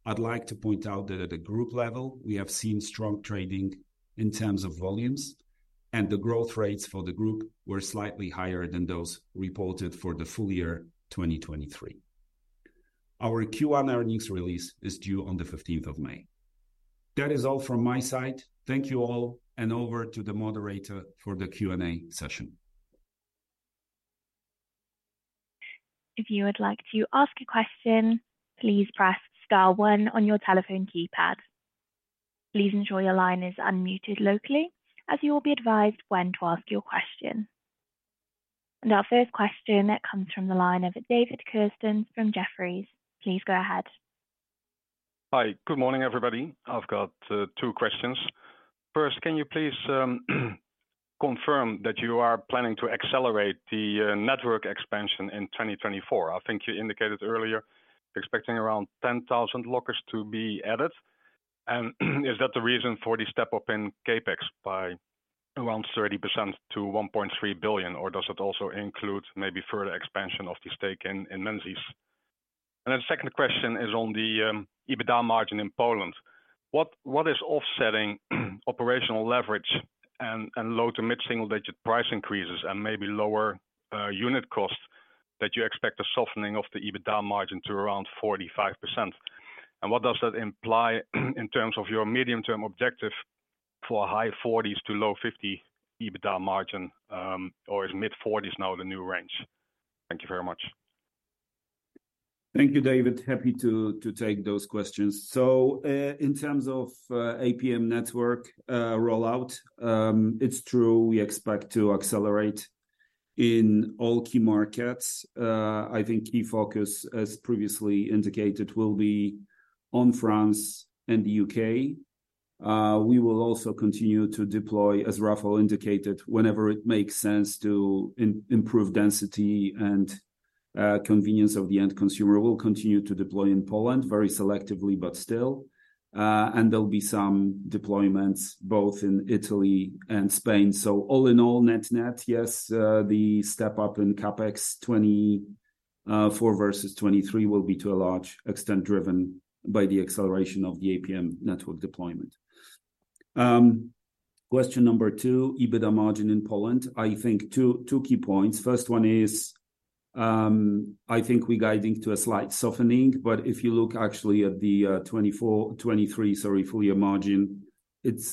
Speaker 3: I'd like to point out that at the group level, we have seen strong trading in terms of volumes, and the growth rates for the group were slightly higher than those reported for the full year 2023. Our Q1 earnings release is due on the 15th of May. That is all from my side. Thank you all, and over to the moderator for the Q&A session.
Speaker 1: If you would like to ask a question, please press star one on your telephone keypad. Please ensure your line is unmuted locally, as you will be advised when to ask your question. Our first question comes from the line of David Kerstens from Jefferies. Please go ahead.
Speaker 4: Hi. Good morning, everybody. I've got two questions. First, can you please confirm that you are planning to accelerate the network expansion in 2024? I think you indicated earlier expecting around 10,000 lockers to be added. And is that the reason for the step up in CapEx by around 30% to 1.3 billion, or does it also include maybe further expansion of the stake in Menzies? And then the second question is on the EBITDA margin in Poland. What is offsetting operational leverage and low to mid-single digit price increases and maybe lower unit cost that you expect a softening of the EBITDA margin to around 45%? And what does that imply in terms of your medium-term objective for a high 40s to low 50s EBITDA margin, or is mid-40s now the new range? Thank you very much.
Speaker 3: Thank you, David. Happy to take those questions. So in terms of APM network rollout, it's true we expect to accelerate in all key markets. I think key focus, as previously indicated, will be on France and the U.K. We will also continue to deploy, as Rafał indicated, whenever it makes sense to improve density and convenience of the end consumer. We'll continue to deploy in Poland very selectively, but still. And there'll be some deployments both in Italy and Spain. So all in all, net-net, yes, the step up in CapEx 2024 versus 2023 will be to a large extent driven by the acceleration of the APM network deployment. Question number 2, EBITDA margin in Poland. I think 2 key points. First one is, I think we're guiding to a slight softening, but if you look actually at the 2024, 2023, sorry, full year margin, it's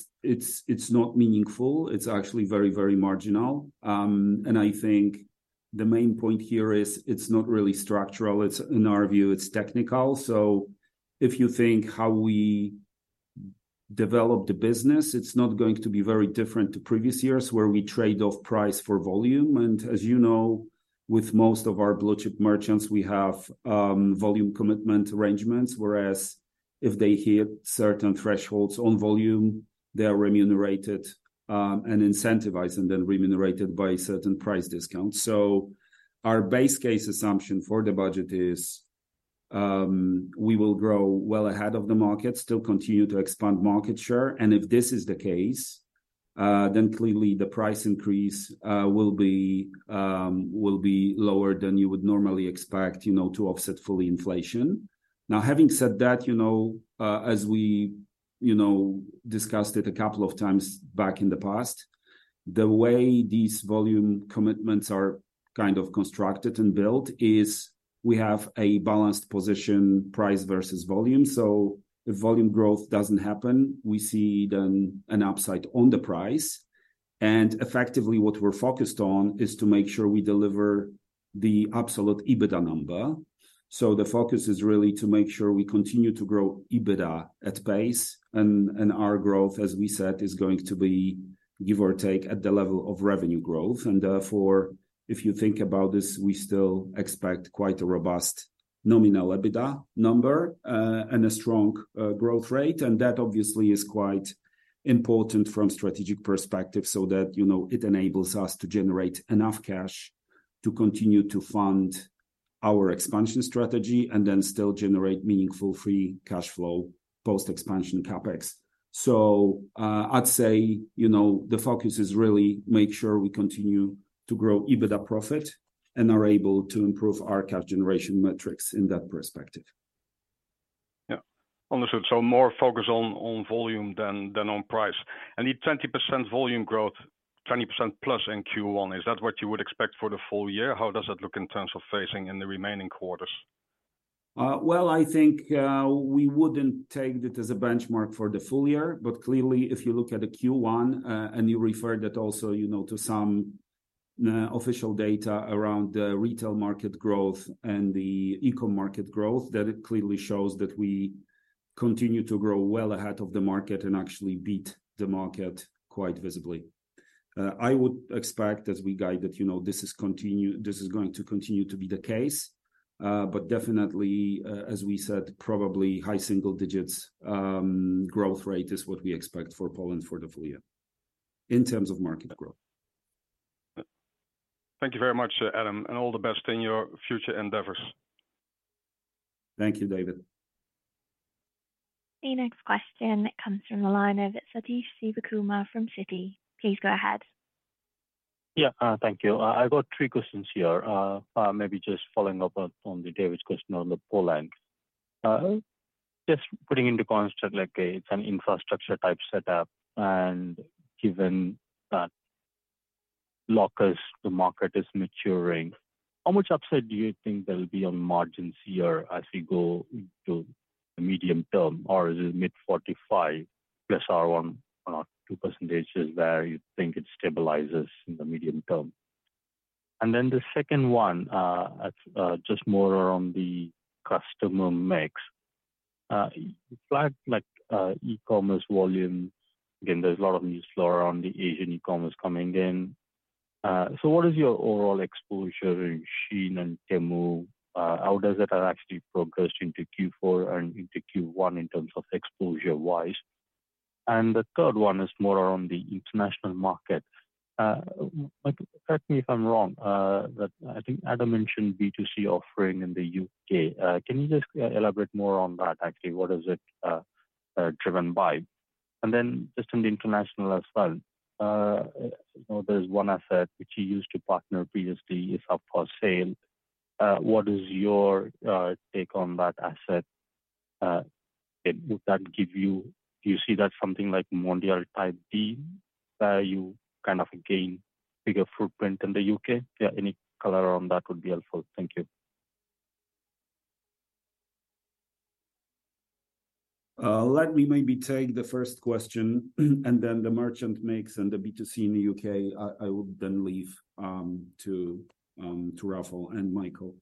Speaker 3: not meaningful. It's actually very, very marginal. I think the main point here is it's not really structural. In our view, it's technical. If you think how we develop the business, it's not going to be very different to previous years where we trade off price for volume. As you know, with most of our blue chip merchants, we have volume commitment arrangements, whereas if they hit certain thresholds on volume, they are remunerated and incentivized and then remunerated by certain price discounts. Our base case assumption for the budget is we will grow well ahead of the market, still continue to expand market share. If this is the case, then clearly the price increase will be lower than you would normally expect to offset fully inflation. Now, having said that, as we discussed it a couple of times back in the past, the way these volume commitments are kind of constructed and built is we have a balanced position price versus volume. So if volume growth doesn't happen, we see then an upside on the price. And effectively, what we're focused on is to make sure we deliver the absolute EBITDA number. So the focus is really to make sure we continue to grow EBITDA at pace. And our growth, as we said, is going to be give or take at the level of revenue growth. And therefore, if you think about this, we still expect quite a robust nominal EBITDA number and a strong growth rate. That obviously is quite important from a strategic perspective so that it enables us to generate enough cash to continue to fund our expansion strategy and then still generate meaningful free cash flow post-expansion CapEx. I'd say the focus is really to make sure we continue to grow EBITDA profit and are able to improve our cash generation metrics in that perspective.
Speaker 4: Yeah. Understood. So more focus on volume than on price. And the 20% volume growth, 20%+ in Q1, is that what you would expect for the full year? How does that look in terms of pacing in the remaining quarters?
Speaker 3: Well, I think we wouldn't take it as a benchmark for the full year. But clearly, if you look at the Q1 and you referred that also to some official data around the retail market growth and the e-commerce market growth, that it clearly shows that we continue to grow well ahead of the market and actually beat the market quite visibly. I would expect, as we guide it, this is going to continue to be the case. But definitely, as we said, probably high single digit growth rate is what we expect for Poland for the full year in terms of market growth.
Speaker 4: Thank you very much, Adam, and all the best in your future endeavors.
Speaker 3: Thank you, David.
Speaker 1: The next question comes from the line of Sathish Sivakumar from Citi. Please go ahead.
Speaker 5: Yeah, thank you. I got 3 questions here. Maybe just following up on David's question on Poland. Just putting into context, it's an infrastructure type setup. And given that lockers, the market is maturing, how much upside do you think there'll be on margins here as we go into the medium term, or is it mid-45% plus or 1 or 2% where you think it stabilizes in the medium term? And then the second one, just more around the customer mix. You flagged ecommerce volume. Again, there's a lot of news flow around the Asian ecommerce coming in. So what is your overall exposure in Shein and Temu? How does it actually progress into Q4 and into Q1 in terms of exposure-wise? And the third one is more around the international market. Correct me if I'm wrong. I think Adam mentioned B2C offering in the U.K. Can you just elaborate more on that, actually? What is it driven by? And then just in the international as well, there's one asset which you used to partner previously is up for sale. What is your take on that asset? Would that give you? Do you see that something like Mondial type deal where you kind of gain bigger footprint in the U.K.? Yeah, any color on that would be helpful. Thank you.
Speaker 3: Let me maybe take the first question and then the merchant mix and the B2C in the U.K. I would then leave to Rafał and Michael.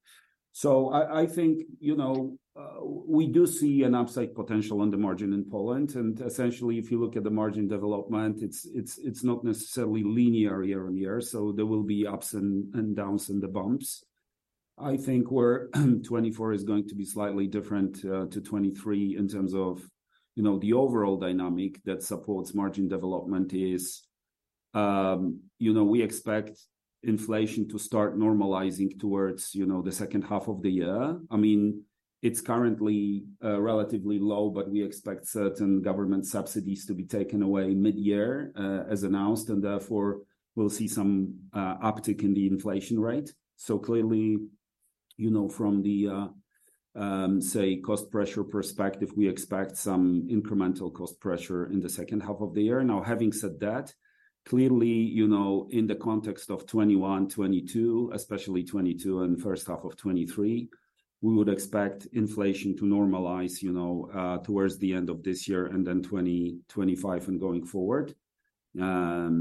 Speaker 3: So I think we do see an upside potential on the margin in Poland. And essentially, if you look at the margin development, it's not necessarily linear year-over-year. So there will be ups and downs and the bumps. I think where 2024 is going to be slightly different to 2023 in terms of the overall dynamic that supports margin development is we expect inflation to start normalizing towards the second half of the year. I mean, it's currently relatively low, but we expect certain government subsidies to be taken away mid-year as announced, and therefore, we'll see some uptick in the inflation rate. So clearly, from the, say, cost pressure perspective, we expect some incremental cost pressure in the second half of the year. Now, having said that, clearly, in the context of 2021, 2022, especially 2022 and first half of 2023, we would expect inflation to normalize towards the end of this year and then 2025 and going forward,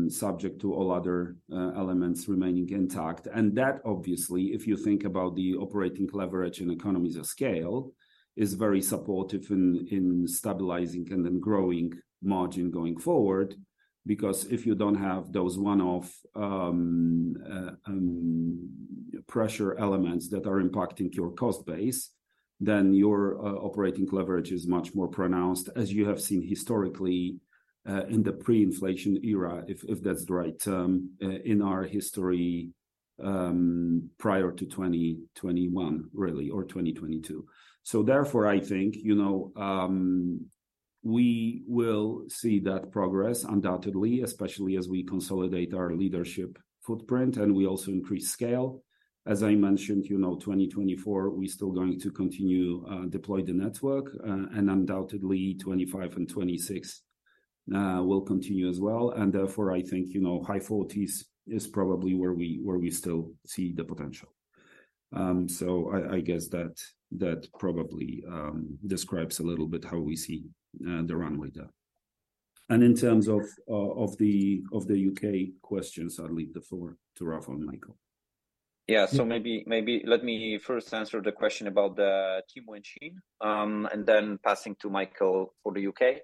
Speaker 3: subject to all other elements remaining intact. And that, obviously, if you think about the operating leverage and economies of scale, is very supportive in stabilizing and then growing margin going forward. Because if you don't have those one-off pressure elements that are impacting your cost base, then your operating leverage is much more pronounced, as you have seen historically in the pre-inflation era, if that's the right term, in our history prior to 2021, really, or 2022. So therefore, I think we will see that progress, undoubtedly, especially as we consolidate our leadership footprint and we also increase scale. As I mentioned, 2024, we're still going to continue to deploy the network, and undoubtedly, 2025 and 2026 will continue as well. And therefore, I think high 40s is probably where we still see the potential. So I guess that probably describes a little bit how we see the runway there. And in terms of the U.K. questions, I'll leave the floor to Rafał and Michael.
Speaker 2: Yeah, so maybe let me first answer the question about Temu and Shein and then passing to Michael for the U.K.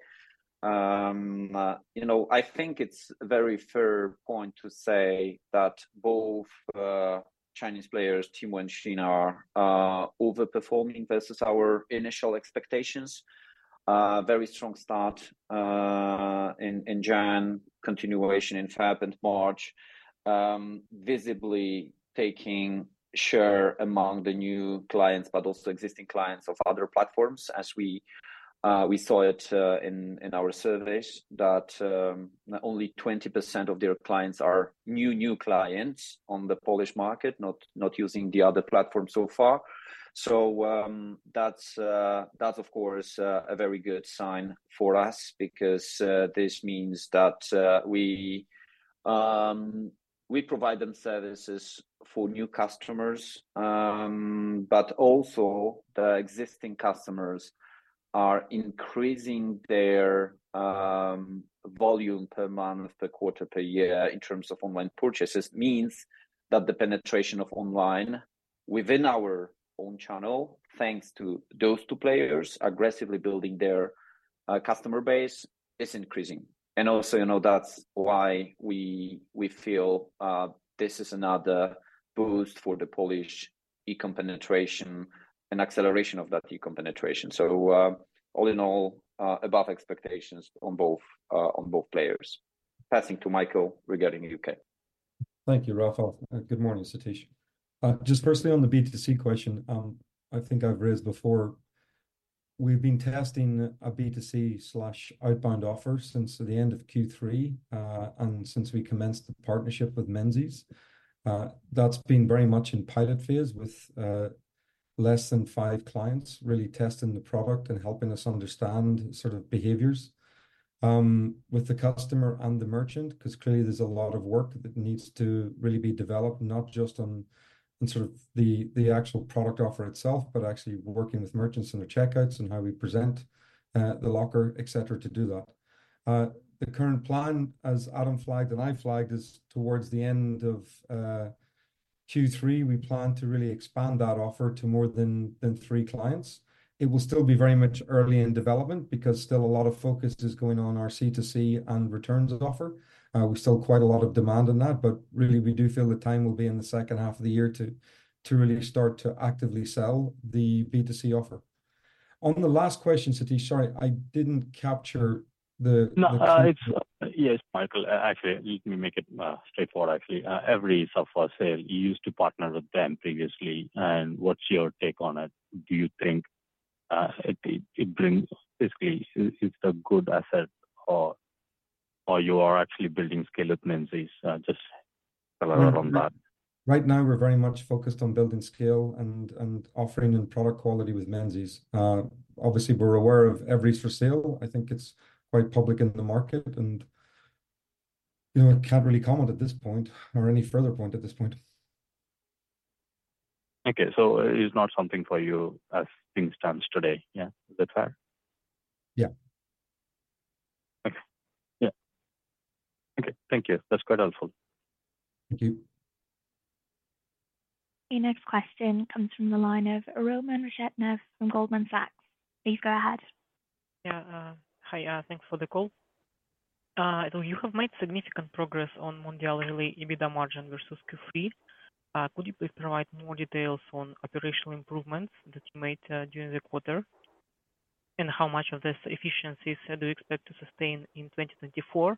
Speaker 2: I think it's a very fair point to say that both Chinese players, Temu and Shein, are overperforming versus our initial expectations. Very strong start in January, continuation in February and March, visibly taking share among the new clients, but also existing clients of other platforms, as we saw it in our surveys, that only 20% of their clients are new clients on the Polish market, not using the other platform so far. So that's, of course, a very good sign for us because this means that we provide them services for new customers, but also the existing customers are increasing their volume per month, per quarter, per year in terms of online purchases. Means that the penetration of online within our own channel, thanks to those two players aggressively building their customer base, is increasing. Also, that's why we feel this is another boost for the Polish ecom penetration and acceleration of that ecom penetration. All in all, above expectations on both players. Passing to Michael regarding the U.K.
Speaker 6: Thank you, Rafał. Good morning, Sathish. Just firstly, on the B2C question, I think I've raised before. We've been testing a B2C/outbound offer since the end of Q3 and since we commenced the partnership with Menzies. That's been very much in pilot phase with less than five clients, really testing the product and helping us understand sort of behaviors with the customer and the merchant because clearly there's a lot of work that needs to really be developed, not just on sort of the actual product offer itself, but actually working with merchants on their checkouts and how we present the locker, etc., to do that. The current plan, as Adam flagged and I flagged, is towards the end of Q3. We plan to really expand that offer to more than three clients. It will still be very much early in development because still a lot of focus is going on our C2C and returns offer. We still quite a lot of demand on that. But really, we do feel the time will be in the second half of the year to really start to actively sell the B2C offer. On the last question, Sathish, sorry, I didn't capture the question.
Speaker 5: Yeah, it's Michael. Actually, let me make it straightforward, actually. Every software sale, you used to partner with them previously. What's your take on it? Do you think it brings basically, is it a good asset or you are actually building scale with Menzies? Just color around that.
Speaker 6: Right now, we're very much focused on building scale and offering end product quality with Menzies. Obviously, we're aware of every offer for sale. I think it's quite public in the market. I can't really comment at this point or any further point at this point.
Speaker 5: Okay, so it's not something for you as things stand today. Yeah? Is that fair?
Speaker 6: Yeah.
Speaker 5: Okay. Yeah. Okay, thank you. That's quite helpful.
Speaker 6: Thank you.
Speaker 7: The next question comes from the line of Roman Reshetnev from Goldman Sachs. Please go ahead.
Speaker 8: Yeah. Hi. Thanks for the call. So you have made significant progress on Mondial Relay EBITDA margin versus Q3. Could you please provide more details on operational improvements that you made during the quarter? And how much of these efficiencies do you expect to sustain in 2024?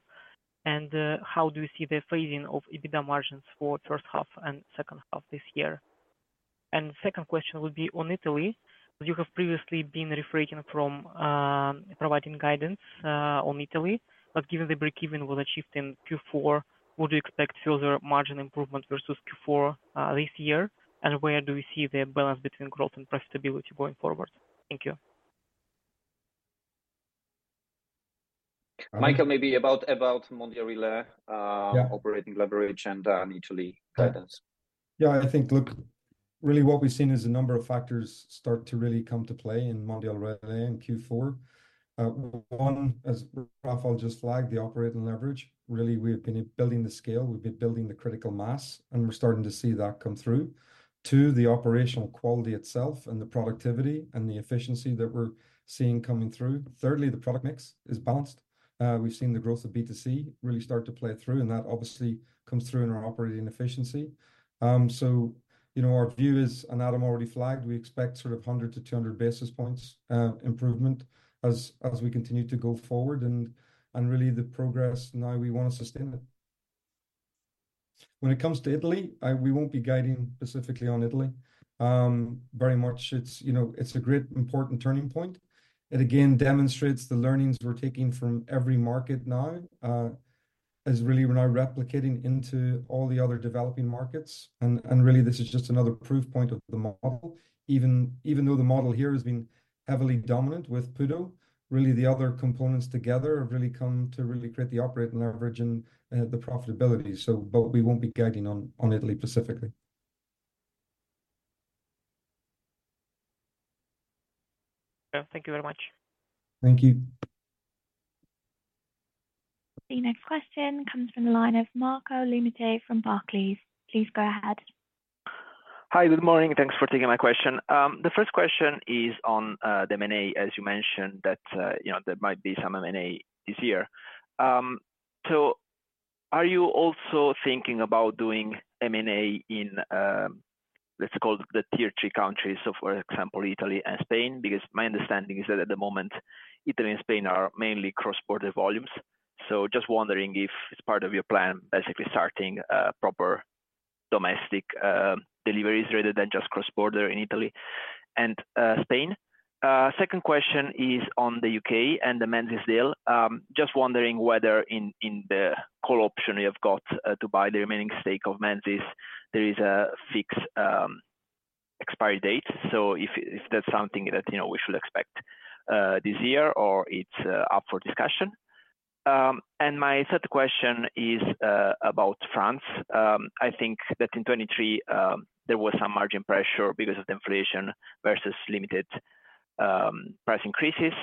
Speaker 8: And how do you see the phasing of EBITDA margins for first half and second half this year? And the second question would be on Italy. You have previously been refraining from providing guidance on Italy. But given the break-even was achieved in Q4, would you expect further margin improvement versus Q4 this year? And where do you see the balance between growth and profitability going forward? Thank you.
Speaker 2: Michael, maybe about Mondial Relay, operating leverage, and Italy guidance.
Speaker 6: Yeah, I think, look, really, what we've seen is a number of factors start to really come to play in Mondial Relay in Q4. One, as Rafał just flagged, the operating leverage. Really, we've been building the scale. We've been building the critical mass, and we're starting to see that come through. Two, the operational quality itself and the productivity and the efficiency that we're seeing coming through. Thirdly, the product mix is balanced. We've seen the growth of B2C really start to play through, and that obviously comes through in our operating efficiency. So our view is, and Adam already flagged, we expect sort of 100-200 basis points improvement as we continue to go forward. Really, the progress now, we want to sustain it. When it comes to Italy, we won't be guiding specifically on Italy. Very much, it's a great, important turning point. It, again, demonstrates the learnings we're taking from every market now is really we're now replicating into all the other developing markets. And really, this is just another proof point of the model. Even though the model here has been heavily dominant with PUDO, really, the other components together have really come to really create the operating leverage and the profitability. But we won't be guiding on Italy specifically.
Speaker 8: Thank you very much.
Speaker 6: Thank you.
Speaker 1: The next question comes from the line of Marco Limite from Barclays. Please go ahead.
Speaker 9: Hi, Good Morning. Thanks for taking my question. The first question is on the M&A, as you mentioned, that there might be some M&A this year. So are you also thinking about doing M&A in, let's call it, the Tier III countries, so for example, Italy and Spain? Because my understanding is that at the moment, Italy and Spain are mainly cross-border volumes. So just wondering if it's part of your plan, basically starting proper domestic deliveries rather than just cross-border in Italy and Spain. Second question is on the U.K. and the Menzies deal. Just wondering whether in the call option you have got to buy the remaining stake of Menzies, there is a fixed expiry date. So if that's something that we should expect this year or it's up for discussion. My third question is about France. I think that in 2023, there was some margin pressure because of the inflation versus limited price increases.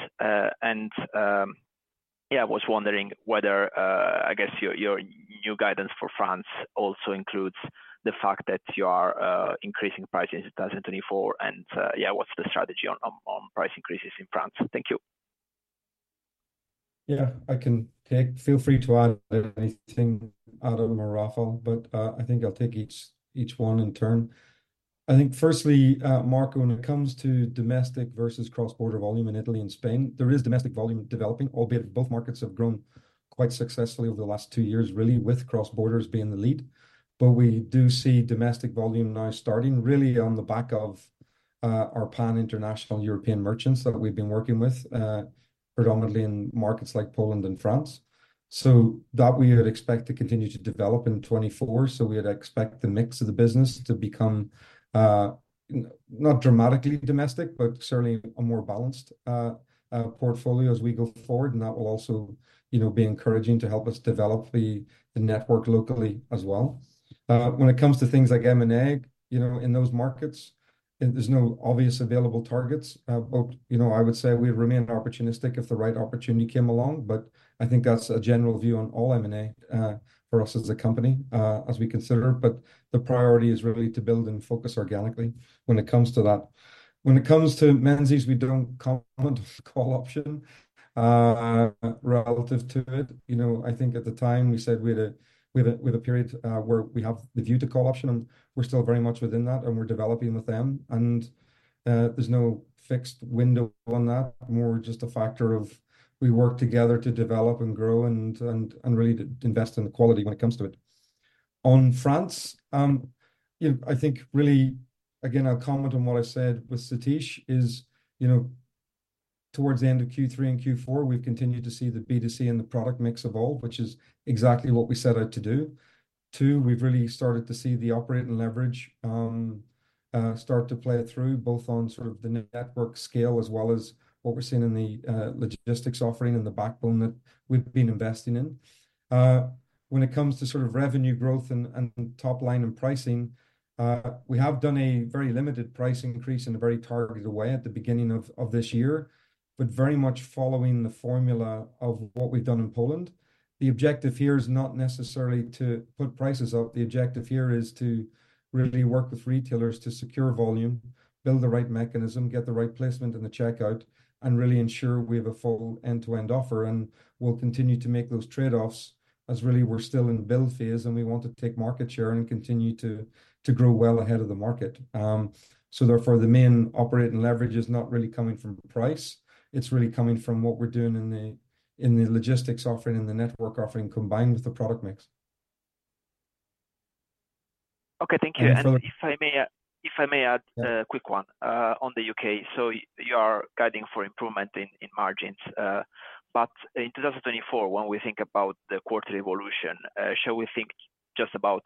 Speaker 9: Yeah, I was wondering whether, I guess, your new guidance for France also includes the fact that you are increasing prices in 2024. Yeah, what's the strategy on price increases in France? Thank you.
Speaker 6: Yeah, I can take. Feel free to add anything, Adam or Rafał, but I think I'll take each one in turn. I think, firstly, Marco, when it comes to domestic versus cross-border volume in Italy and Spain, there is domestic volume developing, albeit both markets have grown quite successfully over the last two years, really, with cross-border being the lead. But we do see domestic volume now starting really on the back of our pan-international European merchants that we've been working with, predominantly in markets like Poland and France. So that we would expect to continue to develop in 2024. So we would expect the mix of the business to become not dramatically domestic, but certainly a more balanced portfolio as we go forward. And that will also be encouraging to help us develop the network locally as well. When it comes to things like M&A, in those markets, there's no obviously available targets. I would say we remain opportunistic if the right opportunity came along. I think that's a general view on all M&A for us as a company, as we consider. The priority is really to build and focus organically when it comes to that. When it comes to Menzies' call option relative to it, I think at the time, we said we had a period where we have the right to call option, and we're still very much within that, and we're developing with them. There's no fixed window on that, more just a factor of we work together to develop and grow and really invest in the quality when it comes to it. On France, I think really, again, I'll comment on what I said with Sathish is towards the end of Q3 and Q4, we've continued to see the B2C and the product mix evolve, which is exactly what we set out to do. Two, we've really started to see the operating leverage start to play through both on sort of the network scale as well as what we're seeing in the logistics offering and the backbone that we've been investing in. When it comes to sort of revenue growth and top line and pricing, we have done a very limited price increase in a very targeted way at the beginning of this year, but very much following the formula of what we've done in Poland. The objective here is not necessarily to put prices up. The objective here is to really work with retailers to secure volume, build the right mechanism, get the right placement in the checkout, and really ensure we have a full end-to-end offer. We'll continue to make those trade-offs as really we're still in build phase, and we want to take market share and continue to grow well ahead of the market. Therefore, the main operating leverage is not really coming from price. It's really coming from what we're doing in the logistics offering and the network offering combined with the product mix.
Speaker 9: Okay, thank you. And if I may add a quick one on the U.K. So you are guiding for improvement in margins. But in 2024, when we think about the quarterly evolution, shall we think just about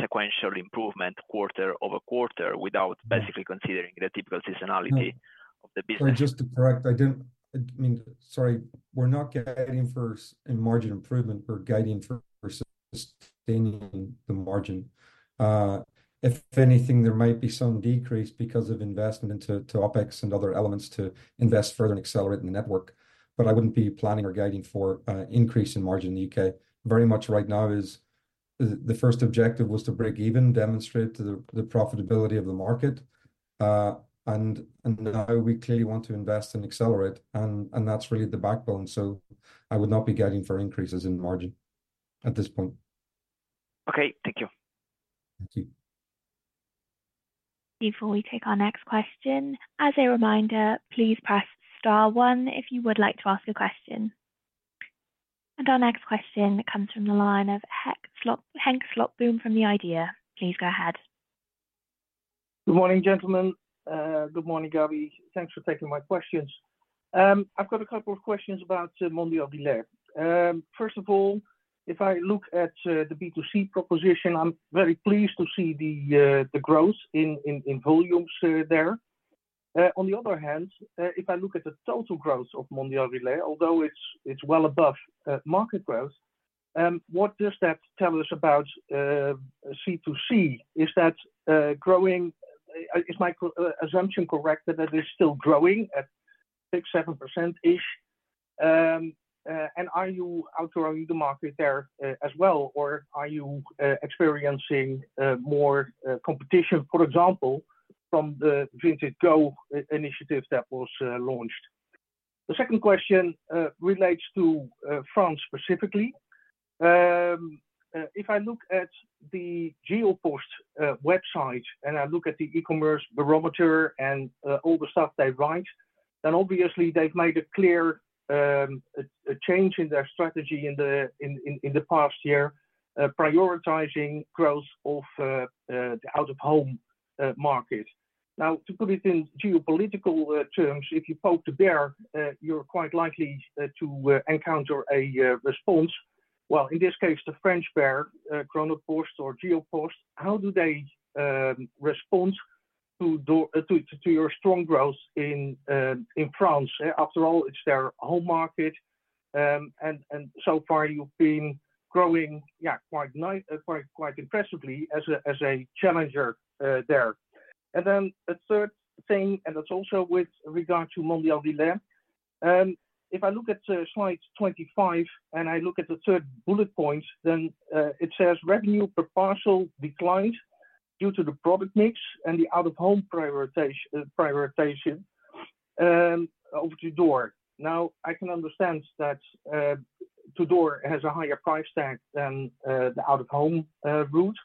Speaker 9: sequential improvement quarter-over-quarter without basically considering the typical seasonality of the business?
Speaker 6: Just to correct, I mean, sorry, we're not guiding for margin improvement. We're guiding for sustaining the margin. If anything, there might be some decrease because of investment into OpEx and other elements to invest further and accelerate in the network. But I wouldn't be planning or guiding for an increase in margin in the U.K. Very much right now is the first objective was to break even, demonstrate the profitability of the market. And now we clearly want to invest and accelerate. And that's really the backbone. So I would not be guiding for increases in margin at this point.
Speaker 9: Okay, thank you.
Speaker 6: Thank you.
Speaker 7: Before we take our next question, as a reminder, please press star one if you would like to ask a question. Our next question comes from the line of Henk Slotboom from The Idea. Please go ahead.
Speaker 10: Good morning, gentlemen. Good morning, Gabby. Thanks for taking my questions. I've got a couple of questions about Mondial Relay. First of all, if I look at the B2C proposition, I'm very pleased to see the growth in volumes there. On the other hand, if I look at the total growth of Mondial Relay, although it's well above market growth, what does that tell us about C2C? Is that growing? Is my assumption correct that it is still growing at 6%-7%-ish? And are you outgrowing the market there as well, or are you experiencing more competition, for example, from the Vinted Go initiative that was launched? The second question relates to France specifically. If I look at the Geopost website and I look at the e-commerce barometer and all the stuff they write, then obviously, they've made a clear change in their strategy in the past year, prioritizing growth of the out-of-home market. Now, to put it in geopolitical terms, if you poke the bear, you're quite likely to encounter a response. Well, in this case, the French bear, Chronopost or Geopost, how do they respond to your strong growth in France? After all, it's their home market. And so far, you've been growing, yeah, quite impressively as a challenger there. And then a third thing, and that's also with regard to Mondial Relay. If I look at slide 25 and I look at the third bullet point, then it says revenue per parcel declined due to the product mix and the out-of-home prioritization over to door. Now, I can understand that door-to-door has a higher price tag than the out-of-home route.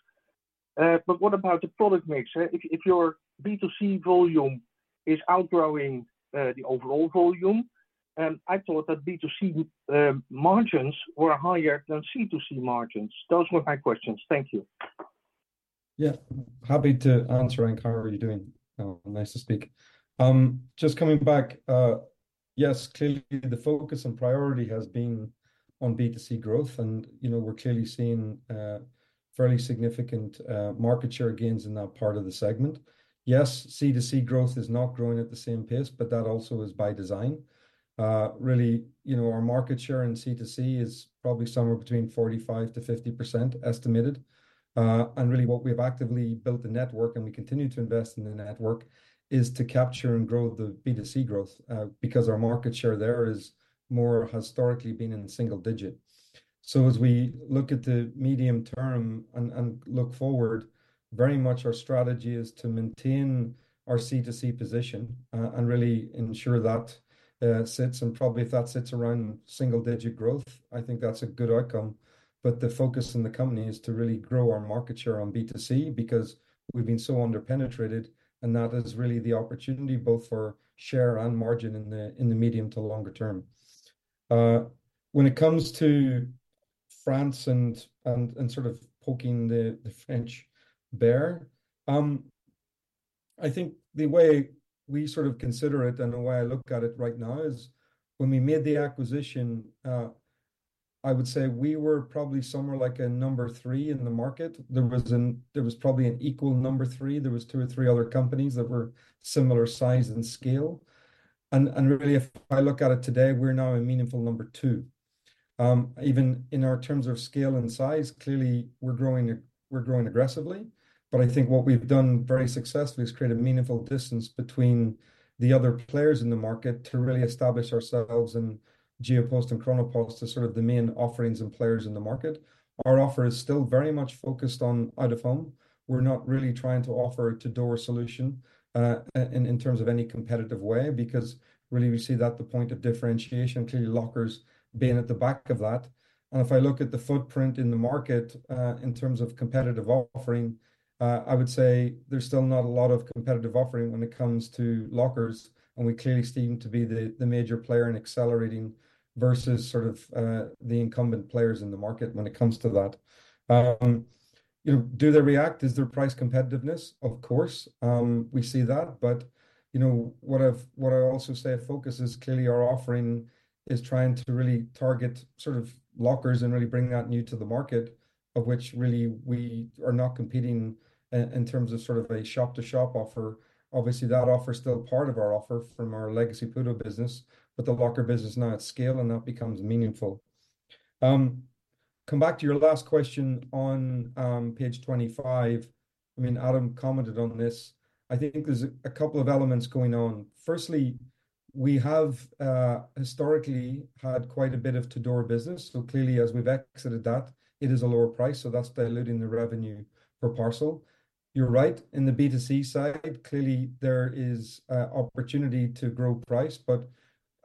Speaker 10: But what about the product mix? If your B2C volume is outgrowing the overall volume, I thought that B2C margins were higher than C2C margins. Those were my questions. Thank you.
Speaker 6: Yeah, happy to answer, Henk. How are you doing? Nice to speak. Just coming back, yes, clearly, the focus and priority has been on B2C growth. And we're clearly seeing fairly significant market share gains in that part of the segment. Yes, C2C growth is not growing at the same pace, but that also is by design. Really, our market share in C2C is probably somewhere between 45%-50% estimated. And really, what we have actively built the network, and we continue to invest in the network, is to capture and grow the B2C growth because our market share there has historically been in single digit. So as we look at the medium term and look forward, very much our strategy is to maintain our C2C position and really ensure that sits. And probably if that sits around single-digit growth, I think that's a good outcome. But the focus in the company is to really grow our market share on B2C because we've been so underpenetrated, and that is really the opportunity both for share and margin in the medium to longer term. When it comes to France and sort of poking the French bear, I think the way we sort of consider it and the way I look at it right now is when we made the acquisition, I would say we were probably somewhere like a number three in the market. There was probably an equal number three. There was two or three other companies that were similar size and scale. And really, if I look at it today, we're now a meaningful number two. Even in our terms of scale and size, clearly, we're growing aggressively. But I think what we've done very successfully is create a meaningful distance between the other players in the market to really establish ourselves in Geopost and Chronopost as sort of the main offerings and players in the market. Our offer is still very much focused on out-of-home. We're not really trying to offer a door-to-door solution in terms of any competitive way because really, we see that the point of differentiation, clearly, lockers being at the back of that. And if I look at the footprint in the market in terms of competitive offering, I would say there's still not a lot of competitive offering when it comes to lockers. And we clearly seem to be the major player in accelerating versus sort of the incumbent players in the market when it comes to that. Do they react? Is there price competitiveness? Of course, we see that. But what I also say is our focus is clearly our offering is trying to really target sort of lockers and really bring that new to the market, of which really we are not competing in terms of sort of a shop-to-shop offer. Obviously, that offer is still part of our offer from our legacy PUDO business, but the locker business is now at scale, and that becomes meaningful. Come back to your last question on page 25. I mean, Adam commented on this. I think there's a couple of elements going on. Firstly, we have historically had quite a bit of door-to-door business. So clearly, as we've exited that, it is a lower price. So that's diluting the revenue per parcel. You're right. In the B2C side, clearly, there is opportunity to grow price. But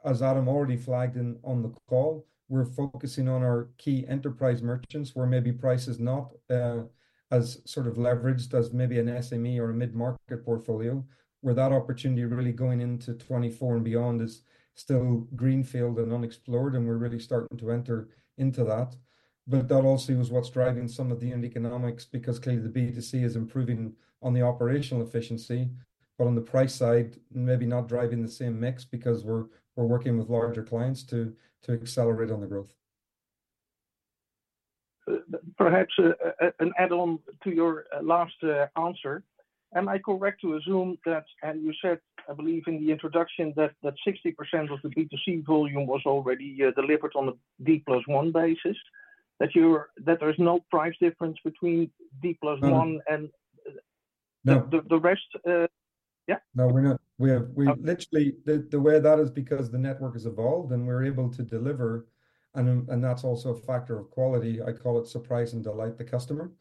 Speaker 6: as Adam already flagged on the call, we're focusing on our key enterprise merchants where maybe price is not as sort of leveraged as maybe an SME or a mid-market portfolio, where that opportunity really going into 2024 and beyond is still greenfield and unexplored, and we're really starting to enter into that. But that also was what's driving some of the unique economics because clearly, the B2C is improving on the operational efficiency, but on the price side, maybe not driving the same mix because we're working with larger clients to accelerate on the growth.
Speaker 10: Perhaps an add-on to your last answer. Am I correct to assume that, and you said, I believe, in the introduction that 60% of the B2C volume was already delivered on a D+1 basis, that there's no price difference between D+1 and the rest? Yeah?
Speaker 6: No, we're not. Literally, the way that is because the network has evolved, and we're able to deliver. And that's also a factor of quality. I call it surprise and delight the customer.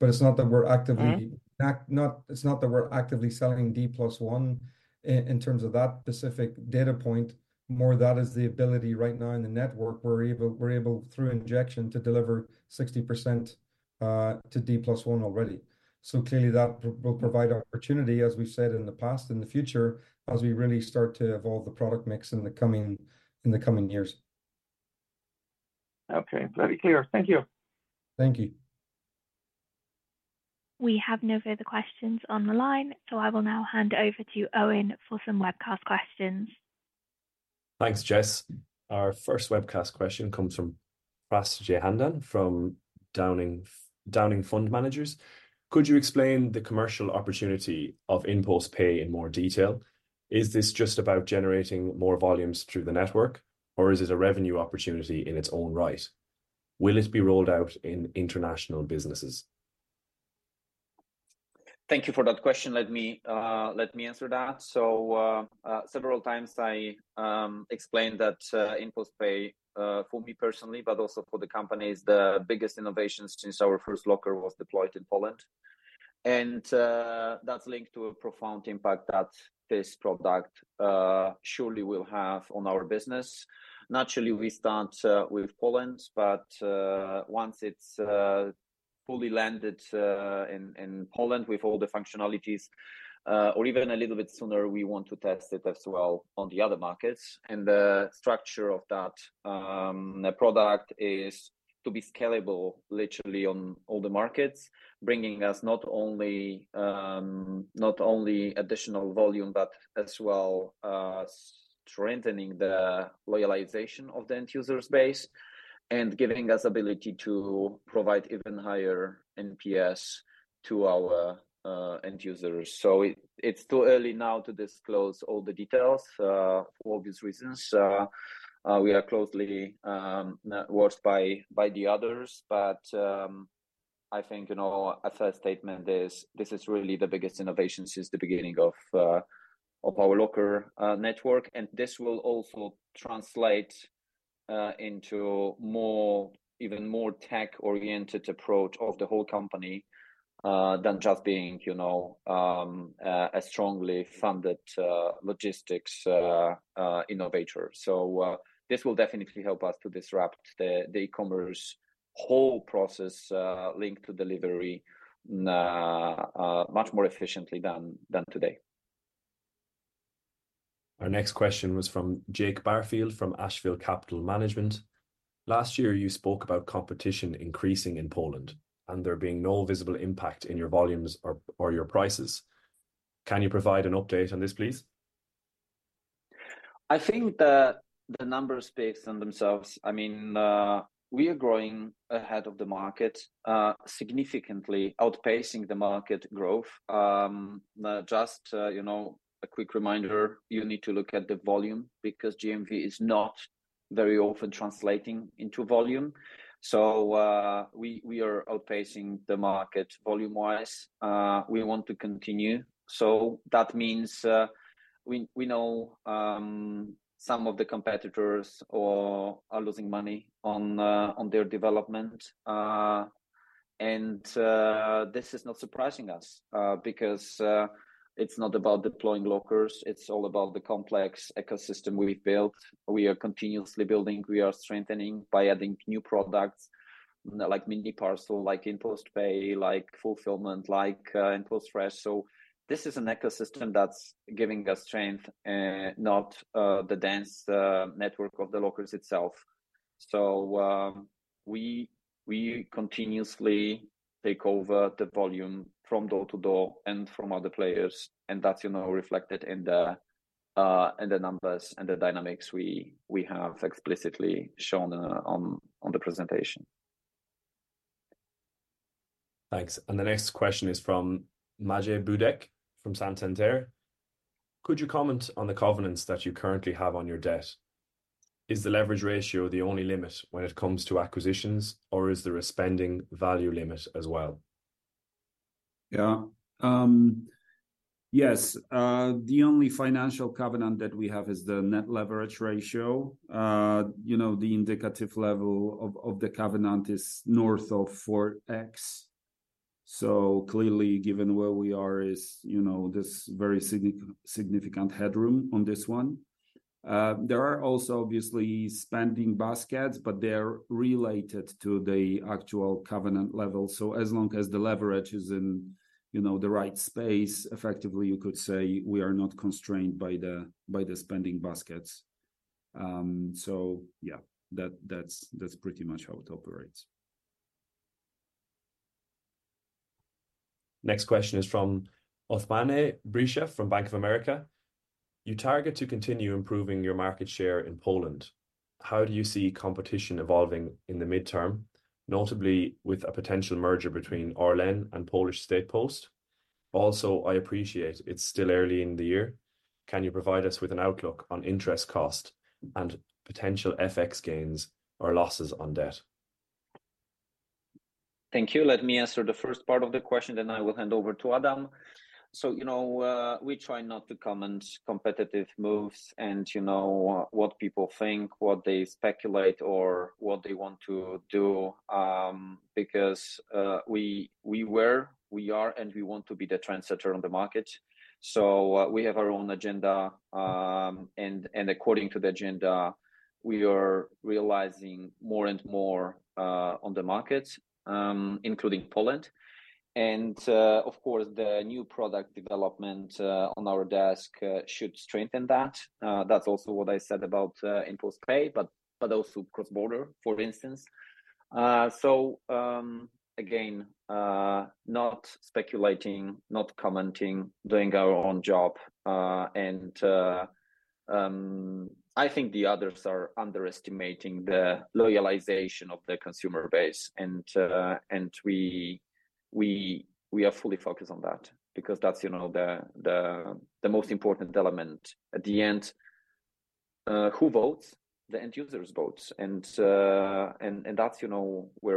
Speaker 6: But it's not that we're actively. It's not that we're actively selling D+1 in terms of that specific data point. More that is the ability right now in the network. We're able, through injection, to deliver 60% to D+1 already. So clearly, that will provide opportunity, as we've said in the past, in the future, as we really start to evolve the product mix in the coming years.
Speaker 10: Okay, very clear. Thank you.
Speaker 6: Thank you.
Speaker 7: We have no further questions on the line, so I will now hand over to Owen for some webcast questions.
Speaker 11: Thanks, Jess. Our first webcast question comes from Pras Jeyanandhan from Downing Fund Managers. Could you explain the commercial opportunity of InPost Pay in more detail? Is this just about generating more volumes through the network, or is it a revenue opportunity in its own right? Will it be rolled out in international businesses? Thank you for that question. Let me answer that. Several times I explained that InPost Pay, for me personally, but also for the companies, the biggest innovation since our first locker was deployed in Poland. That's linked to a profound impact that this product surely will have on our business. Naturally, we start with Poland, but once it's fully landed in Poland with all the functionalities, or even a little bit sooner, we want to test it as well on the other markets. The structure of that product is to be scalable, literally, on all the markets, bringing us not only additional volume but as well strengthening the loyalization of the end-user base and giving us the ability to provide even higher NPS to our end-users. It's too early now to disclose all the details for obvious reasons.
Speaker 2: We are closely watched by the others, but I think a fair statement is this is really the biggest innovation since the beginning of our locker network. This will also translate into an even more tech-oriented approach of the whole company than just being a strongly funded logistics innovator. This will definitely help us to disrupt the e-commerce whole process linked to delivery much more efficiently than today.
Speaker 11: Our next question was from Jake Barfield from Ashville Capital Management. Last year, you spoke about competition increasing in Poland and there being no visible impact in your volumes or your prices. Can you provide an update on this, please?
Speaker 2: I think the numbers speak for themselves. I mean, we are growing ahead of the market significantly, outpacing the market growth. Just a quick reminder, you need to look at the volume because GMV is not very often translating into volume. We are outpacing the market volume-wise. We want to continue. That means we know some of the competitors are losing money on their development. This is not surprising us because it's not about deploying lockers. It's all about the complex ecosystem we've built. We are continuously building. We are strengthening by adding new products like MiniParcel, like InPost Pay, like Fulfillment, like InPost Fresh. This is an ecosystem that's giving us strength, not the dense network of the lockers itself. We continuously take over the volume from door to door and from other players. That's reflected in the numbers and the dynamics we have explicitly shown on the presentation.
Speaker 11: Thanks. And the next question is from Maciej Budek from Santander. Could you comment on the covenants that you currently have on your debt? Is the leverage ratio the only limit when it comes to acquisitions, or is there a spending value limit as well?
Speaker 3: Yeah. Yes. The only financial covenant that we have is the Net Leverage Ratio. The indicative level of the covenant is north of 4x. So clearly, given where we are, there's very significant headroom on this one. There are also, obviously, spending baskets, but they're related to the actual covenant level. So as long as the leverage is in the right space, effectively, you could say we are not constrained by the spending baskets. So yeah, that's pretty much how it operates.
Speaker 11: Next question is from Othmane Bricha from Bank of America. You target to continue improving your market share in Poland. How do you see competition evolving in the midterm, notably with a potential merger between Orlen and Polish State Post? Also, I appreciate it's still early in the year. Can you provide us with an outlook on interest cost and potential FX gains or losses on debt?
Speaker 2: Thank you. Let me answer the first part of the question, then I will hand over to Adam. We try not to comment on competitive moves and what people think, what they speculate, or what they want to do because we were, we are, and we want to be the innovator on the market. We have our own agenda. According to the agenda, we are realizing more and more on the markets, including Poland. Of course, the new product development on our desk should strengthen that. That's also what I said about InPost Pay, but also Cross Border, for instance. Again, not speculating, not commenting, doing our own job. I think the others are underestimating the loyalization of the consumer base. We are fully focused on that because that's the most important element at the end. Who votes? The end-users vote. That's where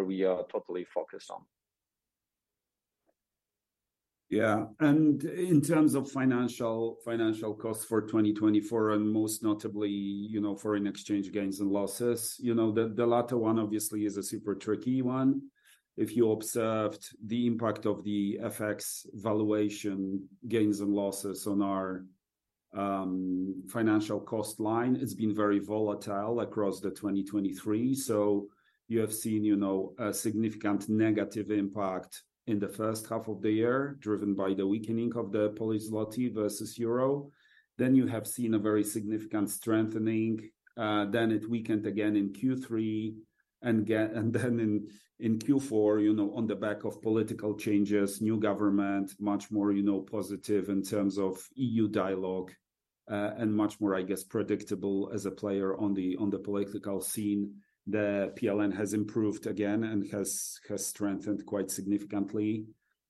Speaker 2: we are totally focused on.
Speaker 3: Yeah. And in terms of financial costs for 2024 and most notably foreign exchange gains and losses, the latter one obviously is a super tricky one. If you observed the impact of the FX valuation gains and losses on our financial cost line, it's been very volatile across 2023. So you have seen a significant negative impact in the first half of the year driven by the weakening of the Polish złoty versus euro. Then you have seen a very significant strengthening. Then it weakened again in Q3. And then in Q4, on the back of political changes, new government, much more positive in terms of EU dialogue and much more, I guess, predictable as a player on the political scene. The PLN has improved again and has strengthened quite significantly,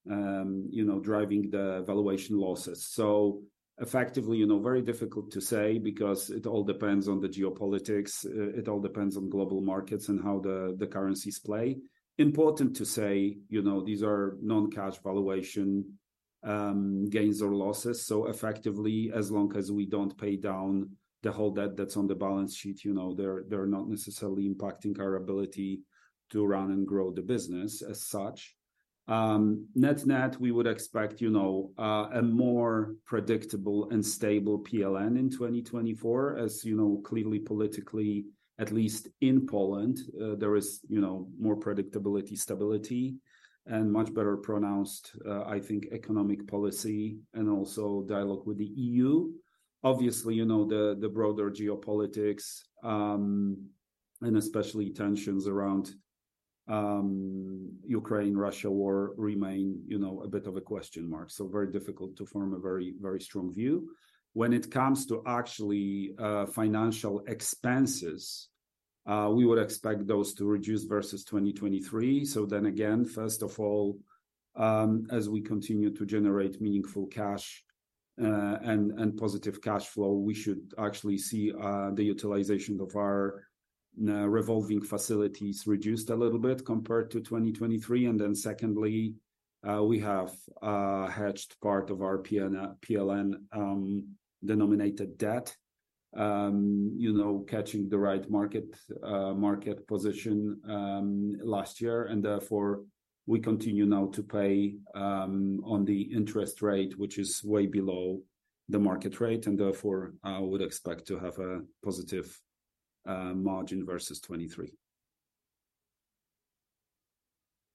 Speaker 3: driving the valuation losses. So effectively, very difficult to say because it all depends on the geopolitics. It all depends on global markets and how the currencies play. Important to say these are non-cash valuation gains or losses. So effectively, as long as we don't pay down the whole debt that's on the balance sheet, they're not necessarily impacting our ability to run and grow the business as such. Net-net, we would expect a more predictable and stable PLN in 2024. As clearly politically, at least in Poland, there is more predictability, stability, and much better pronounced, I think, economic policy and also dialogue with the EU. Obviously, the broader geopolitics and especially tensions around the Ukraine-Russia war remain a bit of a question mark. So very difficult to form a very strong view. When it comes to actually financial expenses, we would expect those to reduce versus 2023. So then again, first of all, as we continue to generate meaningful cash and positive cash flow, we should actually see the utilization of our revolving facilities reduced a little bit compared to 2023. Then secondly, we have hedged part of our PLN-denominated debt, catching the right market position last year. Therefore, we continue now to pay on the interest rate, which is way below the market rate. Therefore, I would expect to have a positive margin versus 2023.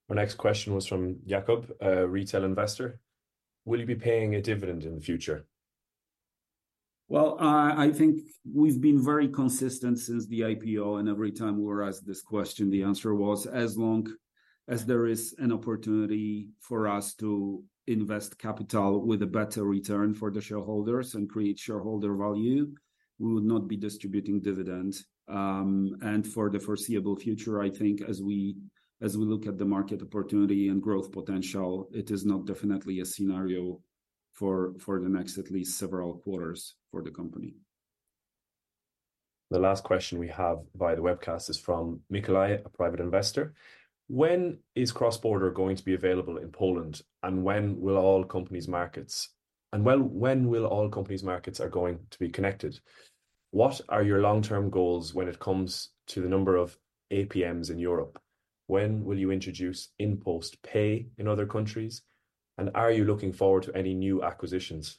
Speaker 11: Our next question was from Jakob, a retail investor. Will you be paying a dividend in the future?
Speaker 3: Well, I think we've been very consistent since the IPO. Every time we were asked this question, the answer was, as long as there is an opportunity for us to invest capital with a better return for the shareholders and create shareholder value, we would not be distributing dividends. For the foreseeable future, I think as we look at the market opportunity and growth potential, it is not definitely a scenario for the next at least several quarters for the company.
Speaker 11: The last question we have via the webcast is from Mikalaj, a private investor. When is Cross Border going to be available in Poland, and when will all companies' markets be connected? What are your long-term goals when it comes to the number of APMs in Europe? When will you introduce InPost Pay in other countries? And are you looking forward to any new acquisitions?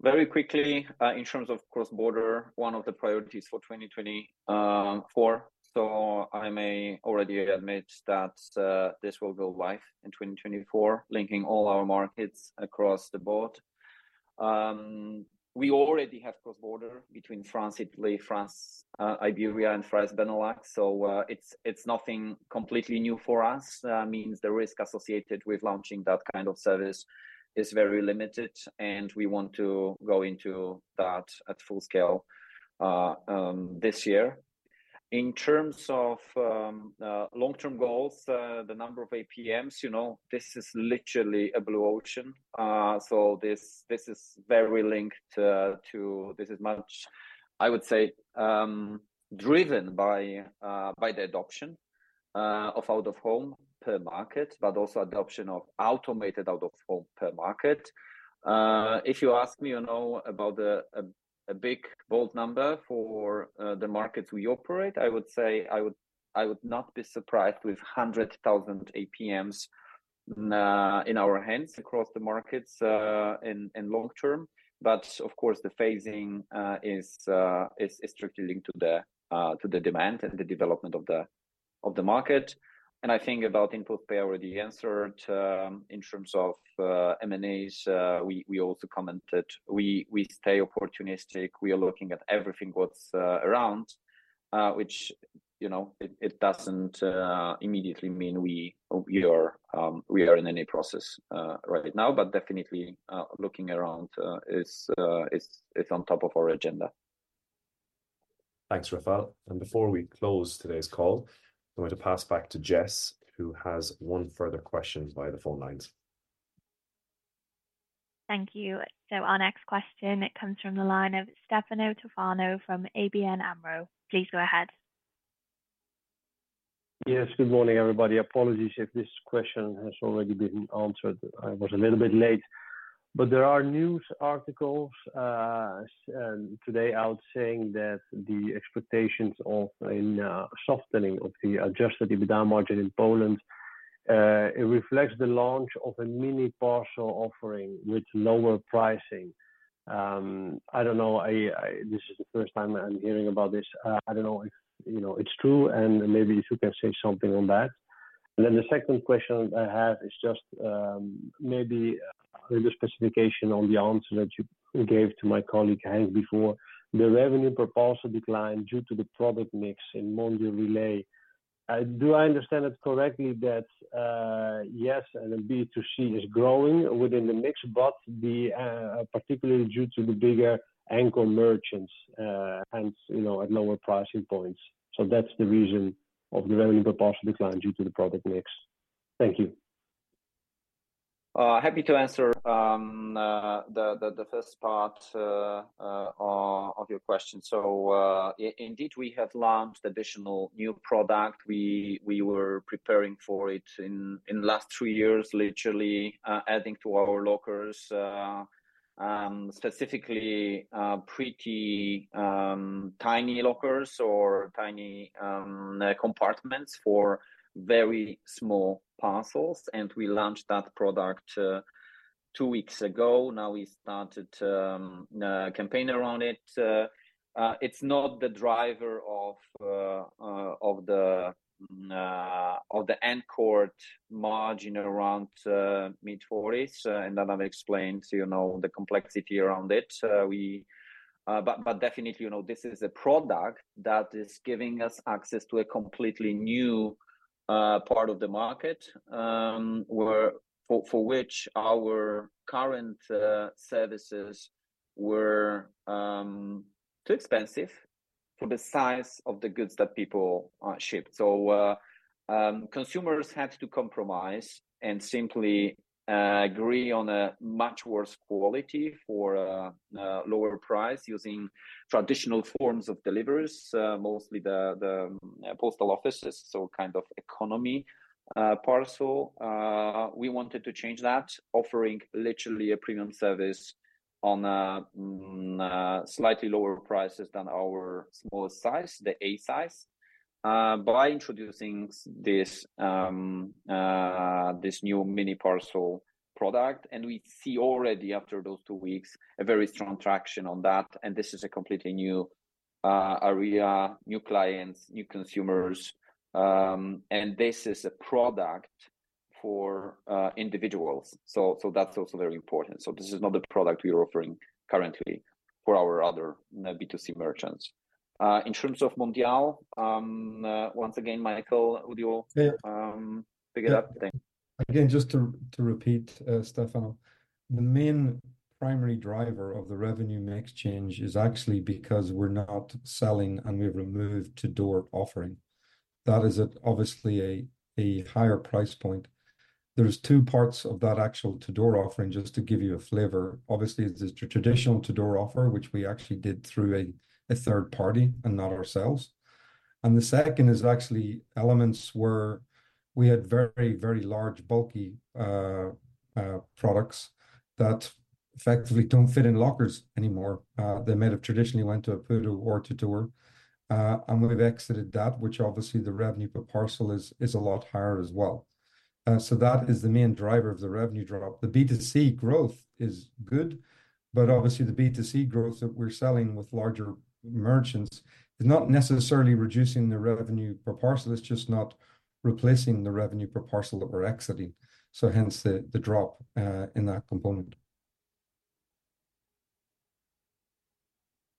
Speaker 2: Very quickly, in terms of Cross Border, one of the priorities for 2024. So I may already admit that this will go live in 2024, linking all our markets across the board. We already have Cross Border between France, Italy, Iberia, and France Benelux. So it's nothing completely new for us. That means the risk associated with launching that kind of service is very limited. And we want to go into that at full scale this year. In terms of long-term goals, the number of APMs, this is literally a blue ocean. So this is very linked to, this is much, I would say, driven by the adoption of out-of-home per market, but also adoption of automated out-of-home per market. If you ask me about a big, bold number for the markets we operate, I would say I would not be surprised with 100,000 APMs in our hands across the markets in long term. But of course, the phasing is strictly linked to the demand and the development of the market. And I think about InPost Pay already answered. In terms of M&As, we also commented we stay opportunistic. We are looking at everything that's around, which it doesn't immediately mean we are in any process right now. But definitely looking around is on top of our agenda.
Speaker 11: Thanks, Rafał. Before we close today's call, I'm going to pass back to Jess, who has one further question by the phone lines.
Speaker 7: Thank you. Our next question, it comes from the line of Stefano Toffano from ABN AMRO. Please go ahead.
Speaker 12: Yes, good morning, everybody. Apologies if this question has already been answered. I was a little bit late. But there are news articles today out saying that the expectations of a softening of the Adjusted EBITDA margin in Poland. It reflects the launch of a MiniParcel offering with lower pricing. I don't know. This is the first time I'm hearing about this. I don't know if it's true, and maybe you can say something on that. And then the second question I have is just maybe a little specification on the answer that you gave to my colleague Henk before. The revenue proposal declined due to the product mix in Mondial Relay. Do I understand it correctly that yes, and B2C is growing within the mix, but particularly due to the bigger anchor merchants at lower pricing points? That's the reason of the revenue proposal decline due to the product mix. Thank you.
Speaker 2: Happy to answer the first part of your question. So indeed, we have launched additional new product. We were preparing for it in the last 3 years, literally adding to our lockers, specifically pretty tiny lockers or tiny compartments for very small parcels. And we launched that product 2 weeks ago. Now we started a campaign around it. It's not the driver of the anchored margin around mid-40s. And then I'll explain the complexity around it. But definitely, this is a product that is giving us access to a completely new part of the market for which our current services were too expensive for the size of the goods that people ship. So consumers had to compromise and simply agree on a much worse quality for a lower price using traditional forms of deliveries, mostly the postal offices, so kind of economy parcel. We wanted to change that, offering literally a premium service on slightly lower prices than our smallest size, the A size, by introducing this new MiniParcel product. We see already after those two weeks a very strong traction on that. This is a completely new area, new clients, new consumers. This is a product for individuals. That's also very important. This is not the product we are offering currently for our other B2C merchants. In terms of Mondial, once again, Michael, would you pick it up?
Speaker 6: Again, just to repeat, Stefano, the main primary driver of the revenue mix change is actually because we're not selling and we've removed door-to-door offering. That is obviously a higher price point. There are two parts of that actual door-to-door offering, just to give you a flavor. Obviously, it's a traditional door-to-door offer, which we actually did through a third party and not ourselves. And the second is actually elements where we had very, very large, bulky products that effectively don't fit in lockers anymore. They might have traditionally went to a PUDO or door-to-door. And we've exited that, which obviously the revenue per parcel is a lot higher as well. So that is the main driver of the revenue drop. The B2C growth is good. But obviously, the B2C growth that we're selling with larger merchants is not necessarily reducing the revenue per parcel. It's just not replacing the revenue per parcel that we're exiting. So hence the drop in that component.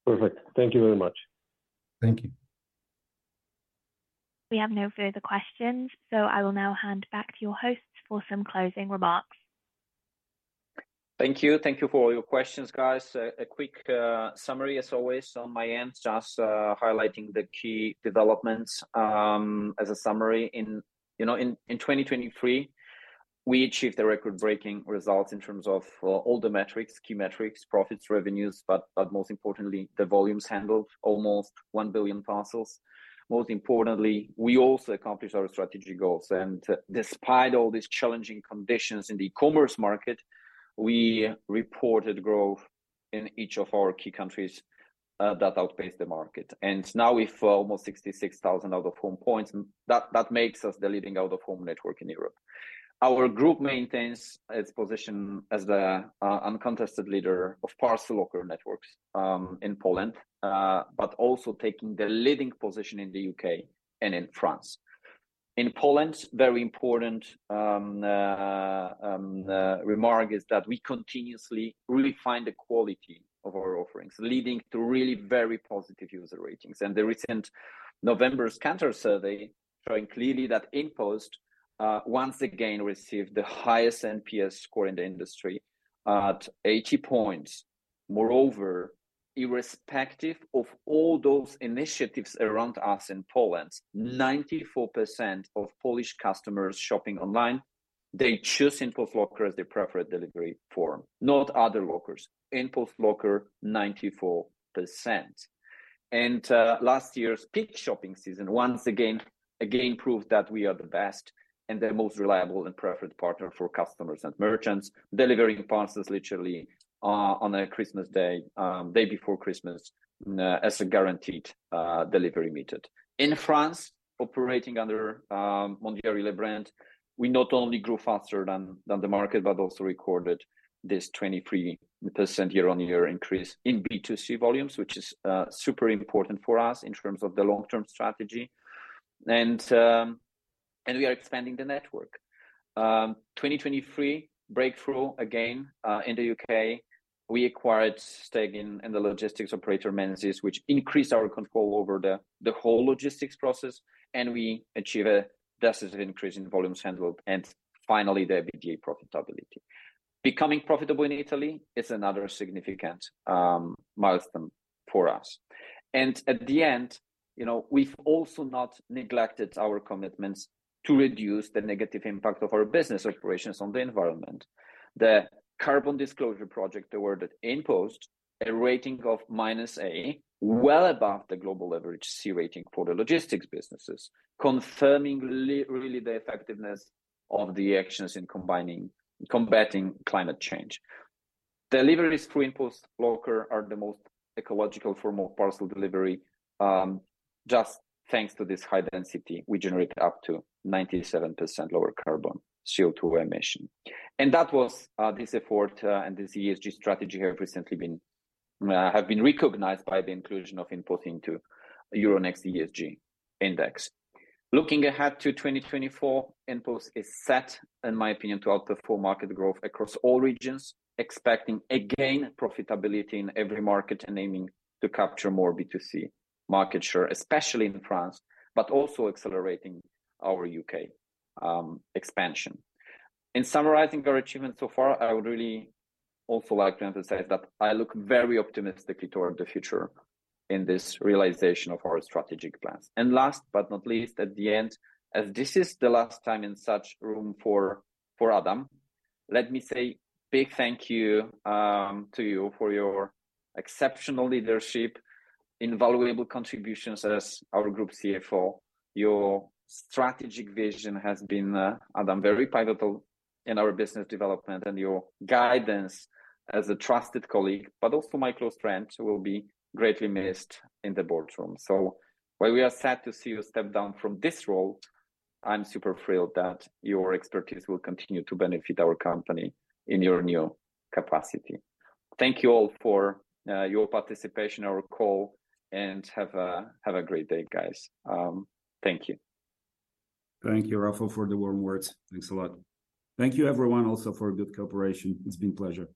Speaker 12: Perfect. Thank you very much.
Speaker 3: Thank you.
Speaker 7: We have no further questions. So I will now hand back to your hosts for some closing remarks.
Speaker 2: Thank you. Thank you for all your questions, guys. A quick summary, as always, on my end, just highlighting the key developments as a summary. In 2023, we achieved a record-breaking result in terms of all the metrics, key metrics, profits, revenues, but most importantly, the volumes handled, almost 1 billion parcels. Most importantly, we also accomplished our strategic goals. Despite all these challenging conditions in the e-commerce market, we reported growth in each of our key countries that outpaced the market. Now we've almost 66,000 out-of-home points. That makes us the leading out-of-home network in Europe. Our group maintains its position as the uncontested leader of parcel locker networks in Poland, but also taking the leading position in the U.K. and in France. In Poland, a very important remark is that we continuously refine the quality of our offerings, leading to really very positive user ratings. The recent November's counter-survey showing clearly that InPost once again received the highest NPS score in the industry at 80 points. Moreover, irrespective of all those initiatives around us in Poland, 94% of Polish customers shopping online, they choose InPost Locker as their preferred delivery form, not other lockers. InPost Locker, 94%. Last year's peak shopping season once again proved that we are the best and the most reliable and preferred partner for customers and merchants, delivering parcels literally on a Christmas day, day before Christmas, as a guaranteed delivery method. In France, operating under Mondial Relay brand, we not only grew faster than the market, but also recorded this 23% year-on-year increase in B2C volumes, which is super important for us in terms of the long-term strategy. We are expanding the network. 2023 breakthrough, again, in the U.K., we acquired stake in and the logistics operator Menzies, which increased our control over the whole logistics process. We achieved a decisive increase in volumes handled and finally the EBITDA profitability. Becoming profitable in Italy is another significant milestone for us. We've also not neglected our commitments to reduce the negative impact of our business operations on the environment. The Carbon Disclosure Project awarded InPost a rating of A-, well above the global average C rating for the logistics businesses, confirming really the effectiveness of the actions in combating climate change. Deliveries through InPost Locker are the most ecological form of parcel delivery. Just thanks to this high density, we generate up to 97% lower carbon CO2 emission. This effort and this ESG strategy have recently been recognized by the inclusion of InPost into Euronext ESG Index. Looking ahead to 2024, InPost is set, in my opinion, to outperform market growth across all regions, expecting again profitability in every market and aiming to capture more B2C market share, especially in France, but also accelerating our U.K. expansion. In summarizing our achievements so far, I would really also like to emphasize that I look very optimistically toward the future in this realization of our strategic plans. Last but not least, at the end, as this is the last time in such room for Adam, let me say a big thank you to you for your exceptional leadership and valuable contributions as our Group CFO. Your strategic vision has been, Adam, very pivotal in our business development, and your guidance as a trusted colleague, but also my close friend, will be greatly missed in the boardroom. So while we are sad to see you step down from this role, I'm super thrilled that your expertise will continue to benefit our company in your new capacity. Thank you all for your participation in our call, and have a great day, guys. Thank you.
Speaker 3: Thank you, Rafał, for the warm words. Thanks a lot. Thank you, everyone, also for good cooperation. It's been a pleasure.